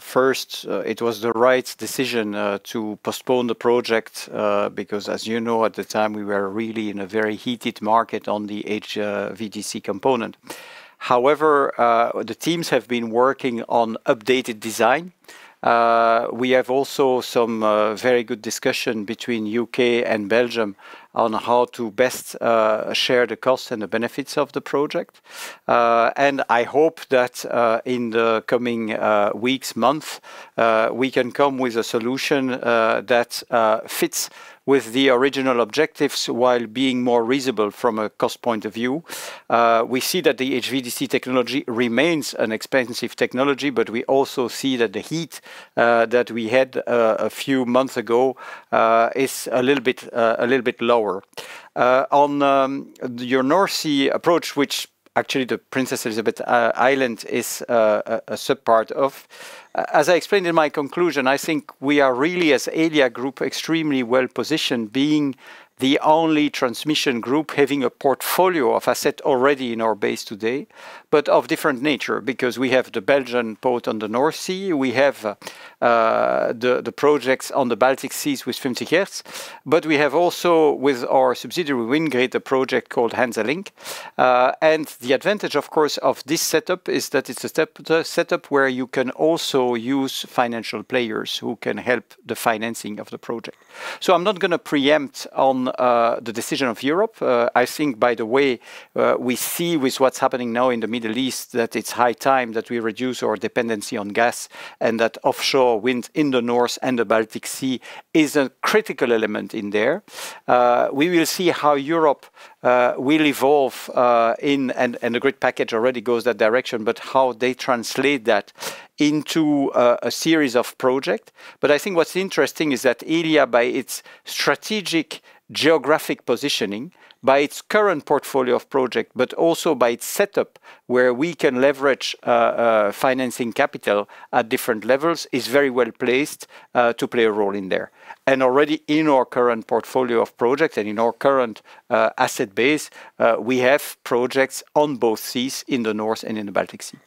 first, it was the right decision, to postpone the project, because as you know, at the time, we were really in a very heated market on the HVDC component. However, the teams have been working on updated design. We have also some very good discussion between UK and Belgium on how to best share the costs and the benefits of the project. I hope that in the coming weeks, month, we can come with a solution that fits with the original objectives while being more reasonable from a cost point of view. We see that the HVDC technology remains an expensive technology, but we also see that the heat that we had a few months ago is a little bit lower. On your North Sea approach, which actually the Princess Elisabeth Island is a sub part of, as I explained in my conclusion, I think we are really, as Elia Group, extremely well positioned being the only transmission group having a portfolio of asset already in our base today, but of different nature because we have the Belgian port on the North Sea, we have the projects on the Baltic Seas with 50Hertz. We have also, with our subsidiary WindGrid, a project called HansaLink. The advantage, of course, of this setup is that it's a step setup where you can also use financial players who can help the financing of the project. I'm not gonna preempt on the decision of Europe. I think by the way, we see with what's happening now in the Middle East, that it's high time that we reduce our dependency on gas. That offshore wind in the north and the Baltic Sea is a critical element in there. We will see how Europe will evolve in and a great package already goes that direction, but how they translate that into a series of project. I think what's interesting is that area by its strategic geographic positioning, by its current portfolio of project, but also by its setup, where we can leverage financing capital at different levels, is very well-placed to play a role in there. Already in our current portfolio of projects and in our current asset base, we have projects on both seas in the north and in the Baltic Sea.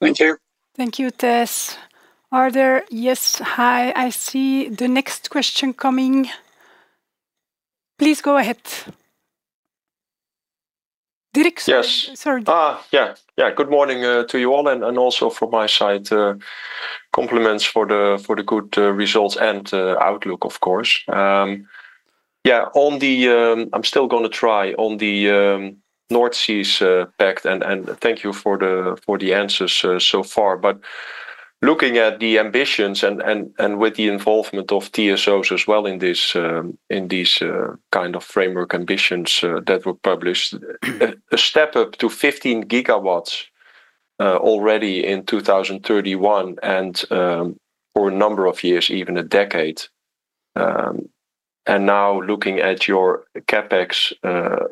Thank you. Thank you, Tess. Yes. Hi. I see the next question coming. Please go ahead. Dirk? Yes. Sorry. Yeah. Yeah. Good morning to you all, and also from my side, compliments for the good results and outlook, of course. Yeah, on the... I am still going to try on the North Sea's pact and thank you for the answers so far. Looking at the ambitions and with the involvement of TSOs as well in this, in these kind of framework ambitions that were published, a step up to 15 gigawatts already in 2031 and for a number of years, even a decade, and now looking at your CapEx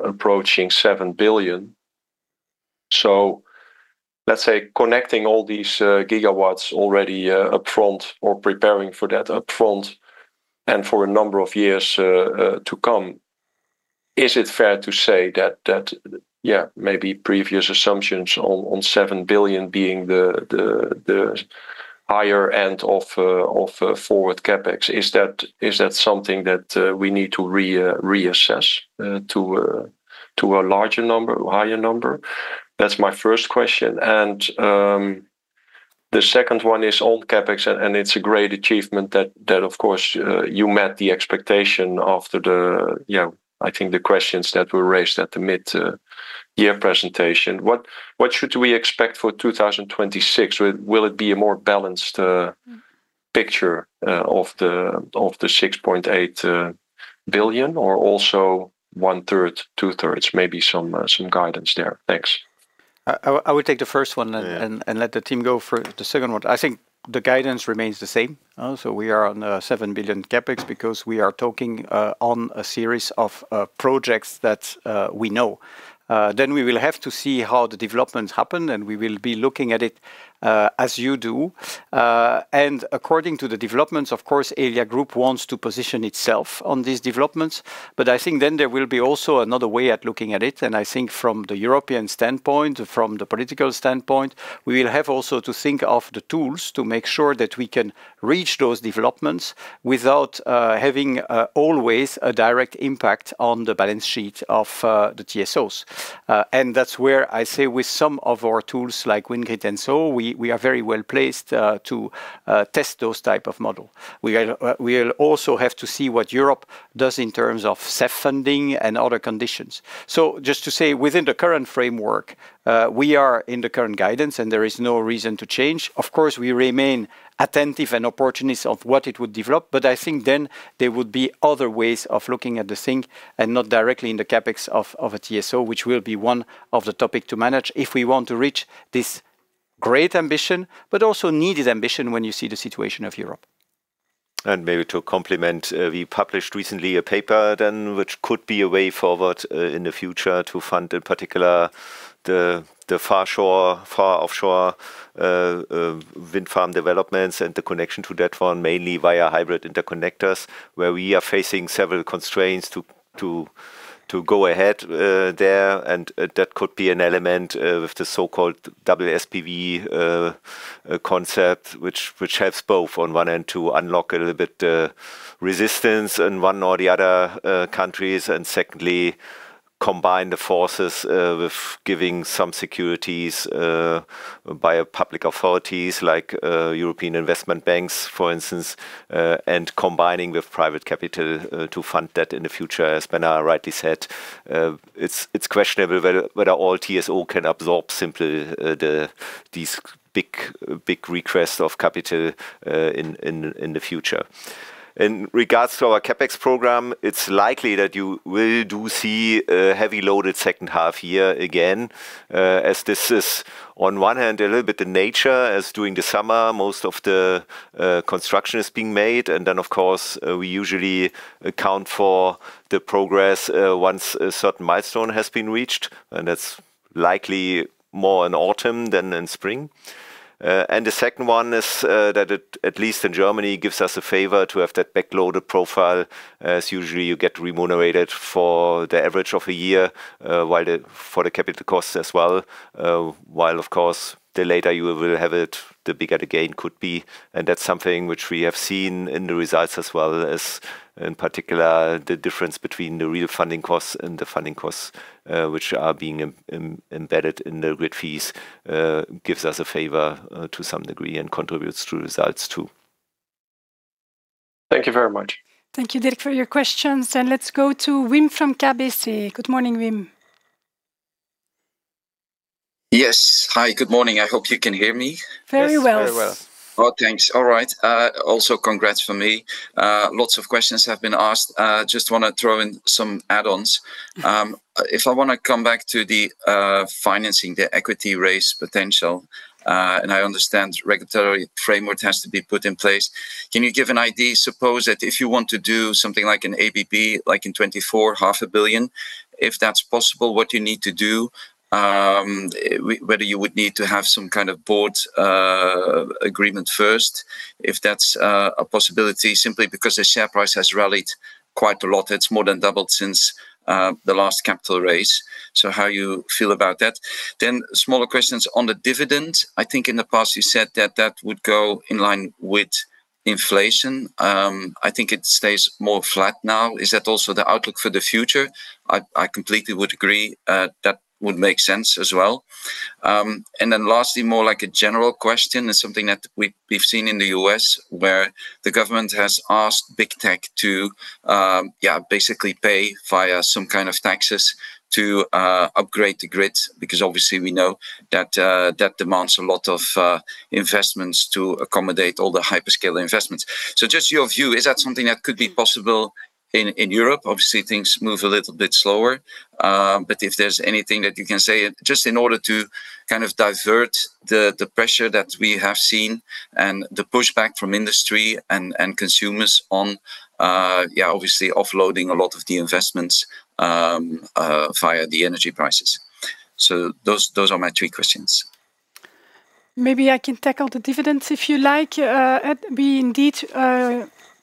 approaching 7 billion. Let's say connecting all these gigawatts already up front or preparing for that up front and for a number of years to come, is it fair to say that, yeah, maybe previous assumptions on 7 billion being the higher end of forward CapEx, is that something that we need to reassess to a larger number, a higher number? That's my first question. The second one is on CapEx, and it's a great achievement that of course you met the expectation after the, you know, I think the questions that were raised at the mid-year presentation. What should we expect for 2026? Will it be a more balanced picture of the 6.8 billion or also one third, two thirds? Maybe some guidance there. Thanks. I would take the first one. Yeah Let the team go for the second one. I think the guidance remains the same. We are on 7 billion CapEx because we are talking on a series of projects that we know. We will have to see how the developments happen, and we will be looking at it as you do. According to the developments, of course, Elia Group wants to position itself on these developments. I think then there will be also another way at looking at it, and I think from the European standpoint, from the political standpoint, we will have also to think of the tools to make sure that we can reach those developments without having always a direct impact on the balance sheet of the TSOs. That's where I say with some of our tools like WindGrid, we are very well-placed to test those type of model. We'll also have to see what Europe does in terms of CEF funding and other conditions. Just to say, within the current framework, we are in the current guidance and there is no reason to change. Of course, we remain attentive and opportunist of what it would develop, but I think then there would be other ways of looking at the thing and not directly in the CapEx of a TSO, which will be one of the topic to manage if we want to reach this great ambition, but also needed ambition when you see the situation of Europe. Maybe to complement, we published recently a paper then which could be a way forward in the future to fund in particular the far offshore wind farm developments and the connection to that one, mainly via hybrid interconnectors, where we are facing several constraints to go ahead there. That could be an element with the so-called SPV concept which helps both on one end to unlock a little bit resistance in one or the other countries, and secondly, combine the forces with giving some securities by public authorities like European investment banks, for instance, and combining with private capital to fund that in the future. As Bernard rightly said, it's questionable whether all TSO can absorb simply these big requests of capital in the future. In regards to our CapEx program, it's likely that you will do see a heavy loaded second half year again, as this is on one hand a little bit the nature as during the summer most of the construction is being made. Of course, we usually account for the progress once a certain milestone has been reached, and that's likely more in autumn than in spring. The second one is that it, at least in Germany, gives us a favor to have that backloaded profile, as usually you get remunerated for the average of a year, while for the capital costs as well. While of course the later you will have it, the bigger the gain could be. That's something which we have seen in the results as well as in particular the difference between the real funding costs and the funding costs, which are being embedded in the grid fees, gives us a favor to some degree and contributes to results too. Thank you very much. Thank you, Dirk, for your questions, and let's go to Wim from KBC. Good morning, Wim. Yes. Hi, good morning. I hope you can hear me. Very well. Yes, very well. Oh, thanks. All right. Also congrats from me. Lots of questions have been asked. Just wanna throw in some add-ons. If I wanna come back to the financing, the equity raise potential, and I understand regulatory framework has to be put in place. Can you give an idea, suppose that if you want to do something like an ABB, like in 2024, half a billion, if that's possible, what you need to do, whether you would need to have some kind of board agreement first, if that's a possibility, simply because the share price has rallied quite a lot. It's more than doubled since the last capital raise. How you feel about that? Smaller questions on the dividend. I think in the past you said that that would go in line with inflation. I think it stays more flat now. Is that also the outlook for the future? I completely would agree, that would make sense as well. Lastly, more like a general question and something that we've seen in the U.S., where the government has asked Big Tech to, basically pay via some kind of taxes to, upgrade the grids, because obviously we know that demands a lot of investments to accommodate all the hyperscale investments. Just your view, is that something that could be possible in Europe? Obviously, things move a little bit slower. If there's anything that you can say, just in order to kind of divert the pressure that we have seen and the pushback from industry and consumers on, obviously offloading a lot of the investments, via the energy prices. Those are my three questions. Maybe I can tackle the dividends if you like. we indeed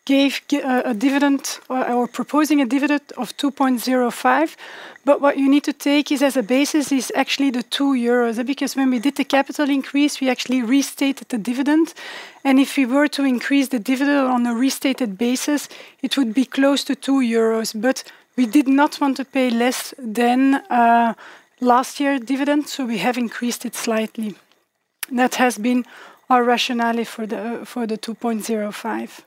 gave a dividend or are proposing a dividend of 2.05. what you need to take as a basis is actually the 2 euros, because when we did the capital increase, we actually restated the dividend. If we were to increase the dividend on a restated basis, it would be close to 2 euros. we did not want to pay less than last year dividend, so we have increased it slightly. That has been our rationale for the 2.05.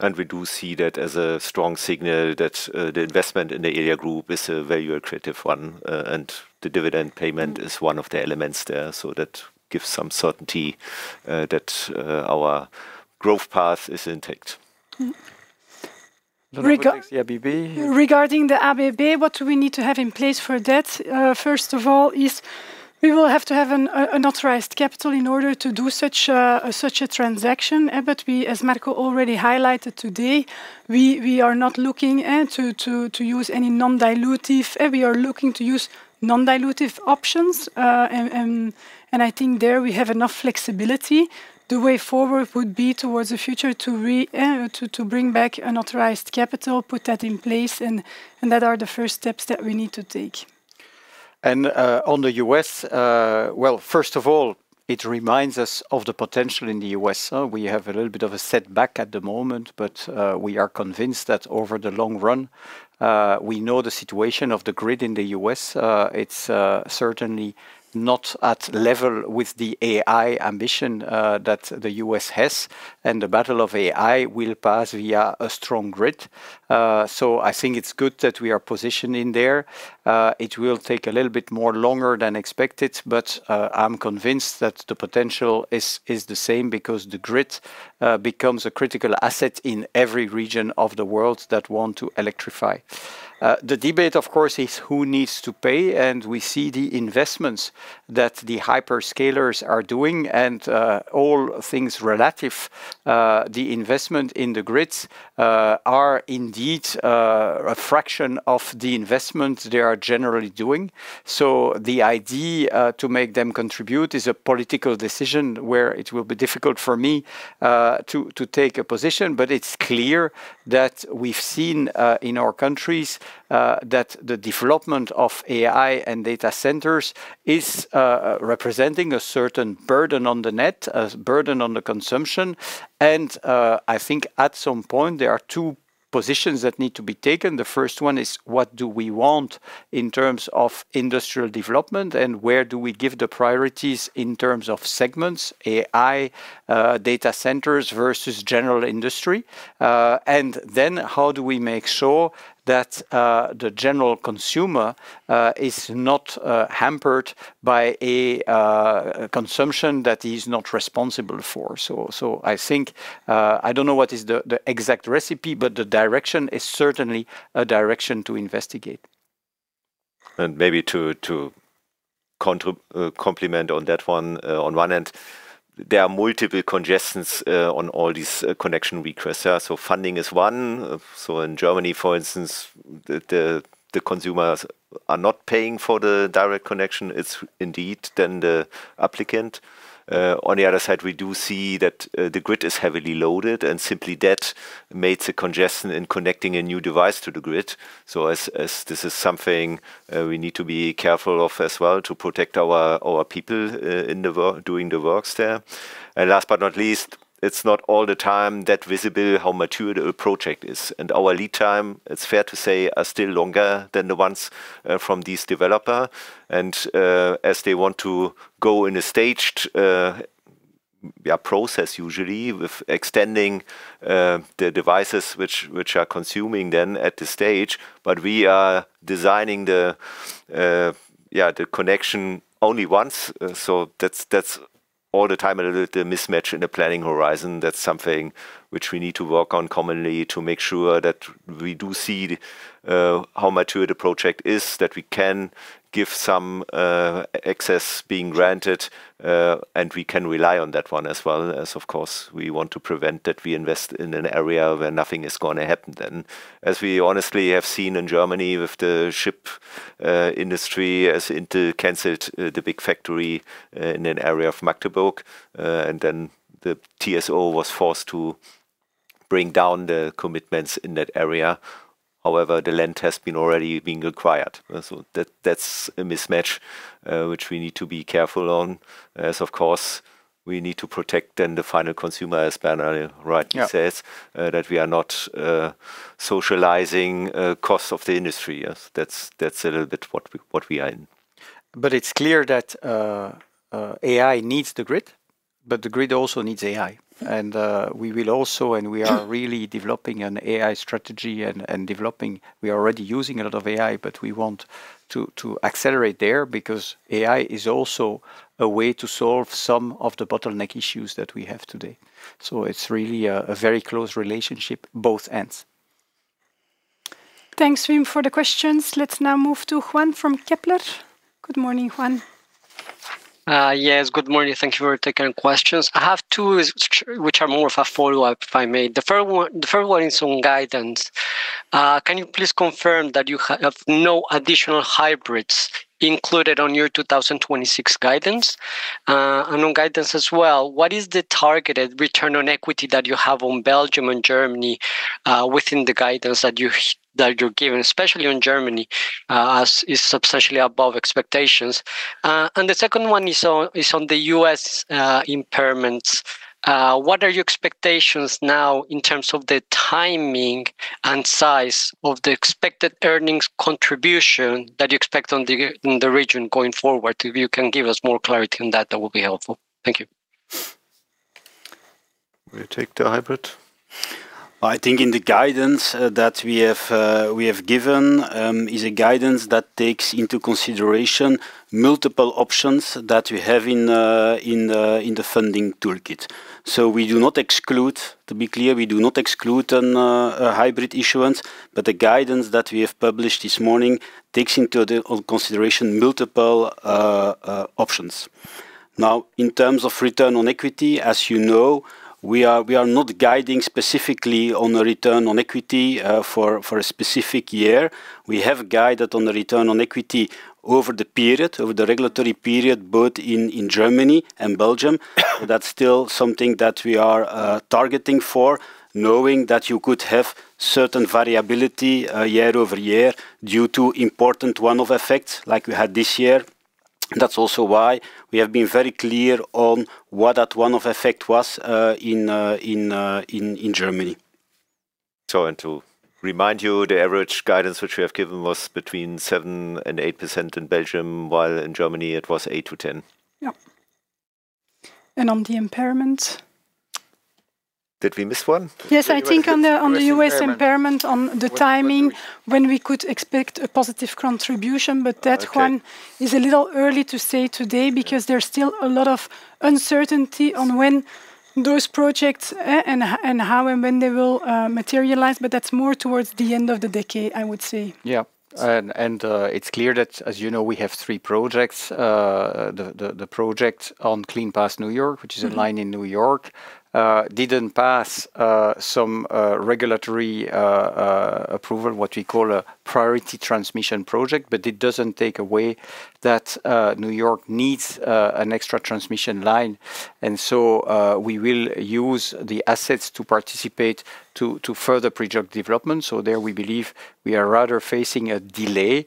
We do see that as a strong signal that the investment in the Elia Group is a very accretive one, and the dividend payment is one of the elements there. That gives some certainty that our growth path is intact. Mm-hmm. The one about the ABB. Regarding the ABB, what we need to have in place for that, first of all is we will have to have an authorized capital in order to do such a transaction. We, as Marco already highlighted today, we are not looking to use any non-dilutive. We are looking to use non-dilutive options. I think there we have enough flexibility. The way forward would be towards the future to bring back an authorized capital, put that in place, and that are the first steps that we need to take. On the U.S., well, first of all, it reminds us of the potential in the U.S. We have a little bit of a setback at the moment, we are convinced that over the long run, we know the situation of the grid in the U.S. It's certainly not at level with the AI ambition that the U.S. has, and the battle of AI will pass via a strong grid. I think it's good that we are positioning there. It will take a little bit more longer than expected, I'm convinced that the potential is the same because the grid becomes a critical asset in every region of the world that want to electrify. The debate, of course, is who needs to pay. We see the investments that the hyperscalers are doing and all things relative, the investment in the grids are indeed a fraction of the investment they are generally doing. The idea to make them contribute is a political decision where it will be difficult for me to take a position. It's clear that we've seen in our countries that the development of AI and data centers is representing a certain burden on the net, a burden on the consumption. I think at some point, there are two positions that need to be taken. The first one is what do we want in terms of industrial development and where do we give the priorities in terms of segments, AI, data centers versus general industry? How do we make sure that the general consumer is not hampered by a consumption that he's not responsible for? I think I don't know what is the exact recipe, but the direction is certainly a direction to investigate. Maybe to complement on that one, on one end, there are multiple congestions on all these connection requests. Funding is one. In Germany, for instance, the consumers are not paying for the direct connection. It's indeed then the applicant. On the other side, we do see that the grid is heavily loaded, and simply that makes a congestion in connecting a new device to the grid. As this is something we need to be careful of as well to protect our people doing the works there. Last but not least, it's not all the time that visible how mature the project is. Our lead time, it's fair to say, are still longer than the ones from these developer. As they want to go in a staged process usually with extending the devices which are consuming then at this stage, but we are designing the connection only once. That's all the time a little bit mismatch in the planning horizon. That's something which we need to work on commonly to make sure that we do see how mature the project is, that we can give some access being granted, and we can rely on that one as well as, of course, we want to prevent that we invest in an area where nothing is gonna happen then. We honestly have seen in Germany with the ship industry as it canceled the big factory in an area of Magdeburg, and then the TSO was forced to bring down the commitments in that area. The land has been already being acquired. That's a mismatch, which we need to be careful on, as of course we need to protect then the final consumer, as Bernard rightly says. Yeah that we are not socializing costs of the industry. Yes. That's a little bit what we are in. It's clear that AI needs the grid, but the grid also needs AI. We will also, and we are really developing an AI strategy and developing. We are already using a lot of AI, but we want to accelerate there because AI is also a way to solve some of the bottleneck issues that we have today. It's really a very close relationship, both ends. Thanks, Wim, for the questions. Let's now move to Juan from Kepler Cheuvreux. Good morning, Juan. Yes. Good morning. Thank you for taking questions. I have two which are more of a follow-up, if I may. The first one is on guidance. Can you please confirm that you have no additional hybrids included on your 2026 guidance? On guidance as well, what is the targeted Return on Equity that you have on Belgium and Germany within the guidance that you're giving, especially on Germany, as is substantially above expectations. The second one is on the U.S. impairments. What are your expectations now in terms of the timing and size of the expected earnings contribution that you expect in the region going forward? If you can give us more clarity on that will be helpful. Thank you. Will you take the hybrid? I think in the guidance that we have, we have given, is a guidance that takes into consideration multiple options that we have in the funding toolkit. We do not exclude. To be clear, we do not exclude an, a hybrid issuance, but the guidance that we have published this morning takes into the consideration multiple options. In terms of Return on Equity, as you know, we are not guiding specifically on a Return on Equity for a specific year. We have guided on the Return on Equity over the period, over the regulatory period, both in Germany and Belgium. That's still something that we are targeting for, knowing that you could have certain variability year-over-year due to important one-off effects like we had this year. That's also why we have been very clear on what that one-off effect was, in Germany. To remind you, the average guidance which we have given was between 7% and 8% in Belgium, while in Germany it was 8%-10%. Yeah. On the impairment? Did we miss one? Yes, I think on the. U.S. impairment ...U.S. impairment on the timing, when we could expect a positive contribution. That Okay ...is a little early to say today because there's still a lot of uncertainty on when those projects, and how and when they will materialize, but that's more towards the end of the decade, I would say. It's clear that, as you know, we have three projects. The project on Clean Path New York, which is a line in New York, didn't pass some regulatory approval, what we call a priority transmission project, but it doesn't take away that New York needs an extra transmission line. We will use the assets to participate to further project development. There we believe we are rather facing a delay.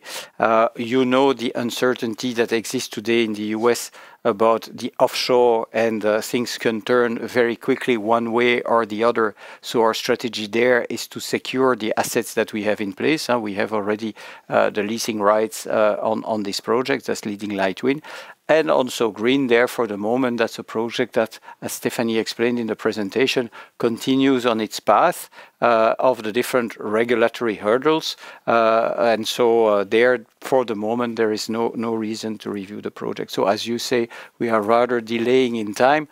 You know, the uncertainty that exists today in the U.S. about the offshore and things can turn very quickly one way or the other. Our strategy there is to secure the assets that we have in place, and we have already the leasing rights on this project as Leading Light Wind. Also Green there for the moment, that's a project that, as Stephanie explained in the presentation, continues on its path of the different regulatory hurdles. There, for the moment, there is no reason to review the project. As you say, we are rather delaying in time.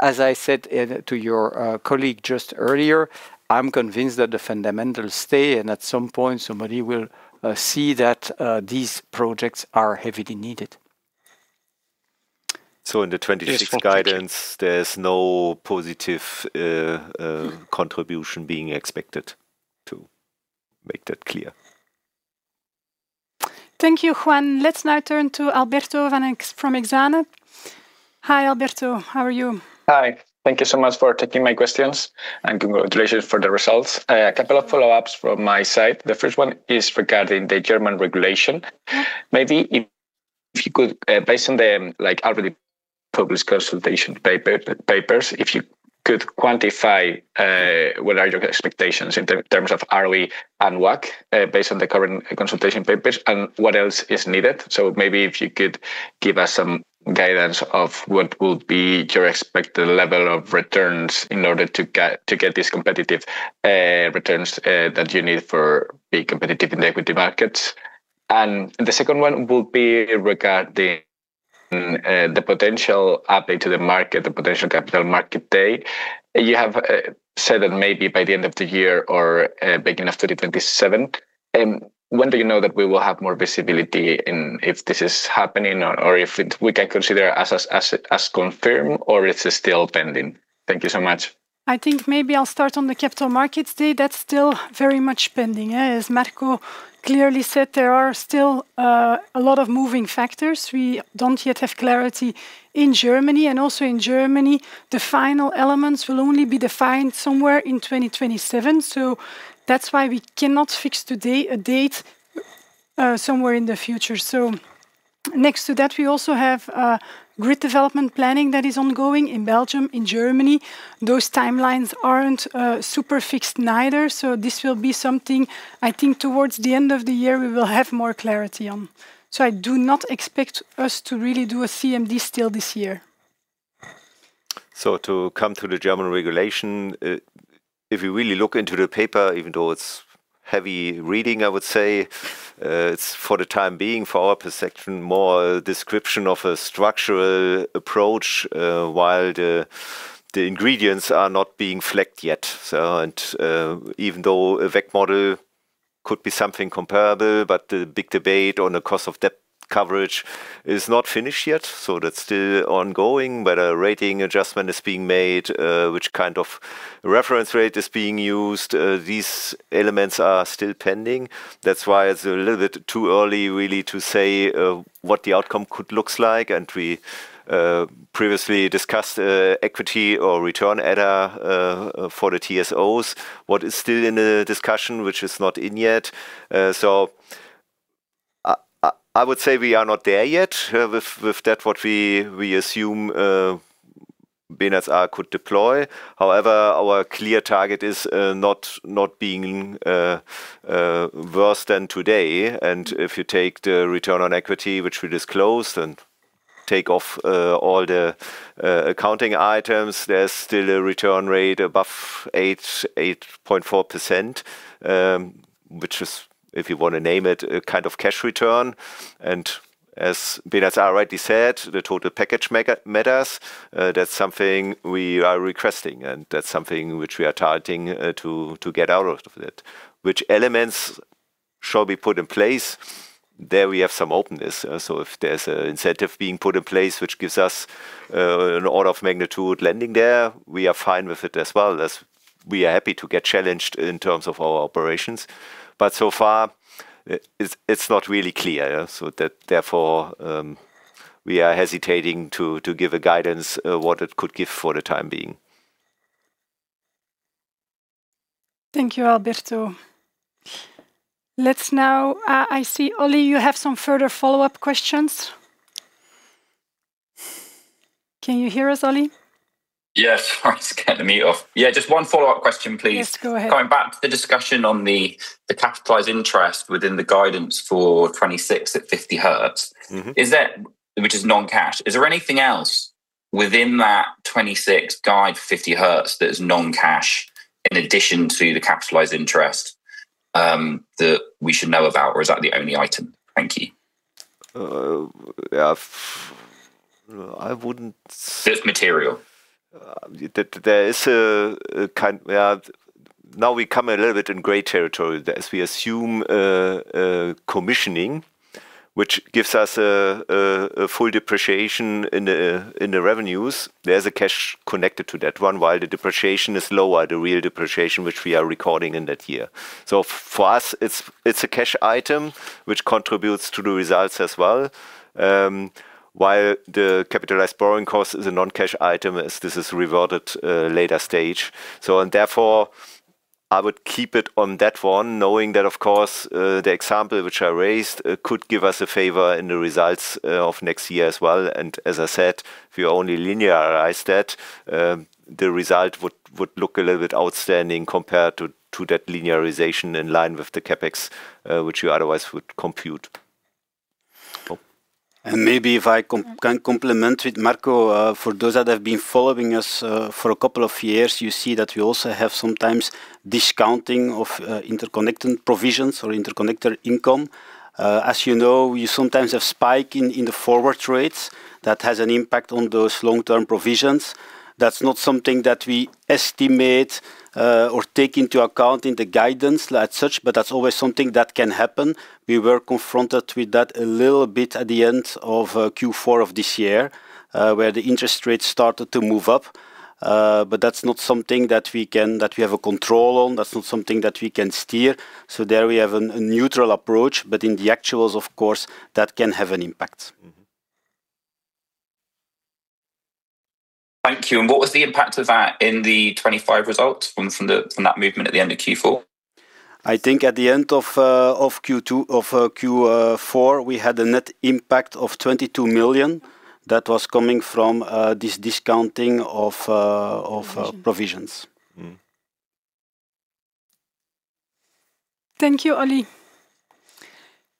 As I said, to your colleague just earlier, I'm convinced that the fundamentals stay, and at some point somebody will see that these projects are heavily needed. In the 2026 guidance, there's no positive contribution being expected, to make that clear. Thank you, Juan. Let's now turn to Alberto Van Ex- from Exane. Hi, Alberto. How are you? Hi. Thank you so much for taking my questions, and congratulations for the results. A couple of follow-ups from my side. The first one is regarding the German regulation. Maybe if you could, based on the, like, already published consultation papers, if you could quantify what are your expectations in terms of hurdle and WACC, based on the current consultation papers and what else is needed. Maybe if you could give us some guidance of what will be your expected level of returns in order to get this competitive returns that you need for being competitive in the equity markets. The second one will be regarding the potential update to the market, the potential Capital Market Day. You have said that maybe by the end of the year or beginning of 2027. When do you know that we will have more visibility in if this is happening or if we can consider as confirmed or it's still pending? Thank you so much. I think maybe I'll start on the Capital Markets Day. That's still very much pending, yeah. As Marco clearly said, there are still a lot of moving factors. We don't yet have clarity in Germany. Also in Germany, the final elements will only be defined somewhere in 2027. That's why we cannot fix today a date somewhere in the future. Next to that, we also have grid development planning that is ongoing in Belgium, in Germany. Those timelines aren't super fixed neither. This will be something I think towards the end of the year we will have more clarity on. I do not expect us to really do a CMD still this year. To come to the German regulation, if you really look into the paper, even though it's heavy reading, I would say, it's for the time being, for our perception, more a description of a structural approach, while the ingredients are not being flexed yet. Even though a VEC model could be something comparable, but the big debate on the cost of debt coverage is not finished yet, so that's still ongoing. Whether a rating adjustment is being made, which kind of reference rate is being used, these elements are still pending. That's why it's a little bit too early really to say, what the outcome could looks like. We previously discussed equity or return ADA for the TSOs. What is still in the discussion, which is not in yet. I would say we are not there yet with that what we assume BNR could deploy. However, our clear target is not being worse than today. If you take the return on equity which we disclosed and take off all the accounting items, there's still a return rate above 8.4%, which is, if you want to name it, a kind of cash return. As Bernard already said, the total package matters. That's something we are requesting, and that's something which we are targeting to get out of that. Which elements shall be put in place, there we have some openness. If there's an incentive being put in place which gives us an order of magnitude landing there, we are fine with it as well as we are happy to get challenged in terms of our operations. So far, it's not really clear, yeah. That therefore, we are hesitating to give a guidance what it could give for the time being. Thank you, Alberto. Let's now I see, Olly, you have some further follow-up questions. Can you hear us, Olly? Yes. I scared me off. Yeah, just one follow-up question, please. Yes, go ahead. Going back to the discussion on the capitalized interest within the guidance for 2026 at 50Hertz. Mm-hmm. Which is non-cash. Is there anything else within that 2026 guide 50Hertz that is non-cash in addition to the capitalized interest that we should know about, or is that the only item? Thank you. yeah, I It's material. There is a kind, yeah. Now we come a little bit in gray territory as we assume commissioning, which gives us a full depreciation in the revenues. There's a cash connected to that one, while the depreciation is lower, the real depreciation, which we are recording in that year. For us, it's a cash item which contributes to the results as well, while the capitalized borrowing cost is a non-cash item as this is reverted later stage. Therefore, I would keep it on that one, knowing that, of course, the example which I raised could give us a favor in the results of next year as well. As I said, if you only linearize that, the result would look a little bit outstanding compared to that linearization in line with the CapEx, which you otherwise would compute. Maybe if I can complement with Marco, for those that have been following us, for a couple of years, you see that we also have sometimes discounting of interconnecting provisions or interconnector income. As you know, you sometimes have spike in the forward rates that has an impact on those long-term provisions. That's not something that we estimate or take into account in the guidance as such, but that's always something that can happen. We were confronted with that a little bit at the end of Q4 of this year, where the interest rates started to move up. That's not something that we have a control on. That's not something that we can steer. There we have a neutral approach, but in the actuals, of course, that can have an impact. Mm-hmm. Thank you. What was the impact of that in the 2025 results from that movement at the end of Q4? I think at the end of Q4, we had a net impact of 22 million that was coming from this discounting. Provisions... provisions. Mm-hmm. Thank you, Ollie.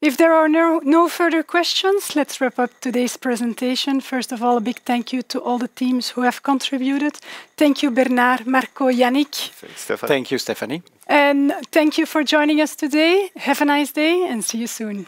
If there are no further questions, let's wrap up today's presentation. First of all, a big thank you to all the teams who have contributed. Thank you, Bernard, Marco, Yannick. Thank you, Stephanie. Thank you for joining us today. Have a nice day, and see you soon.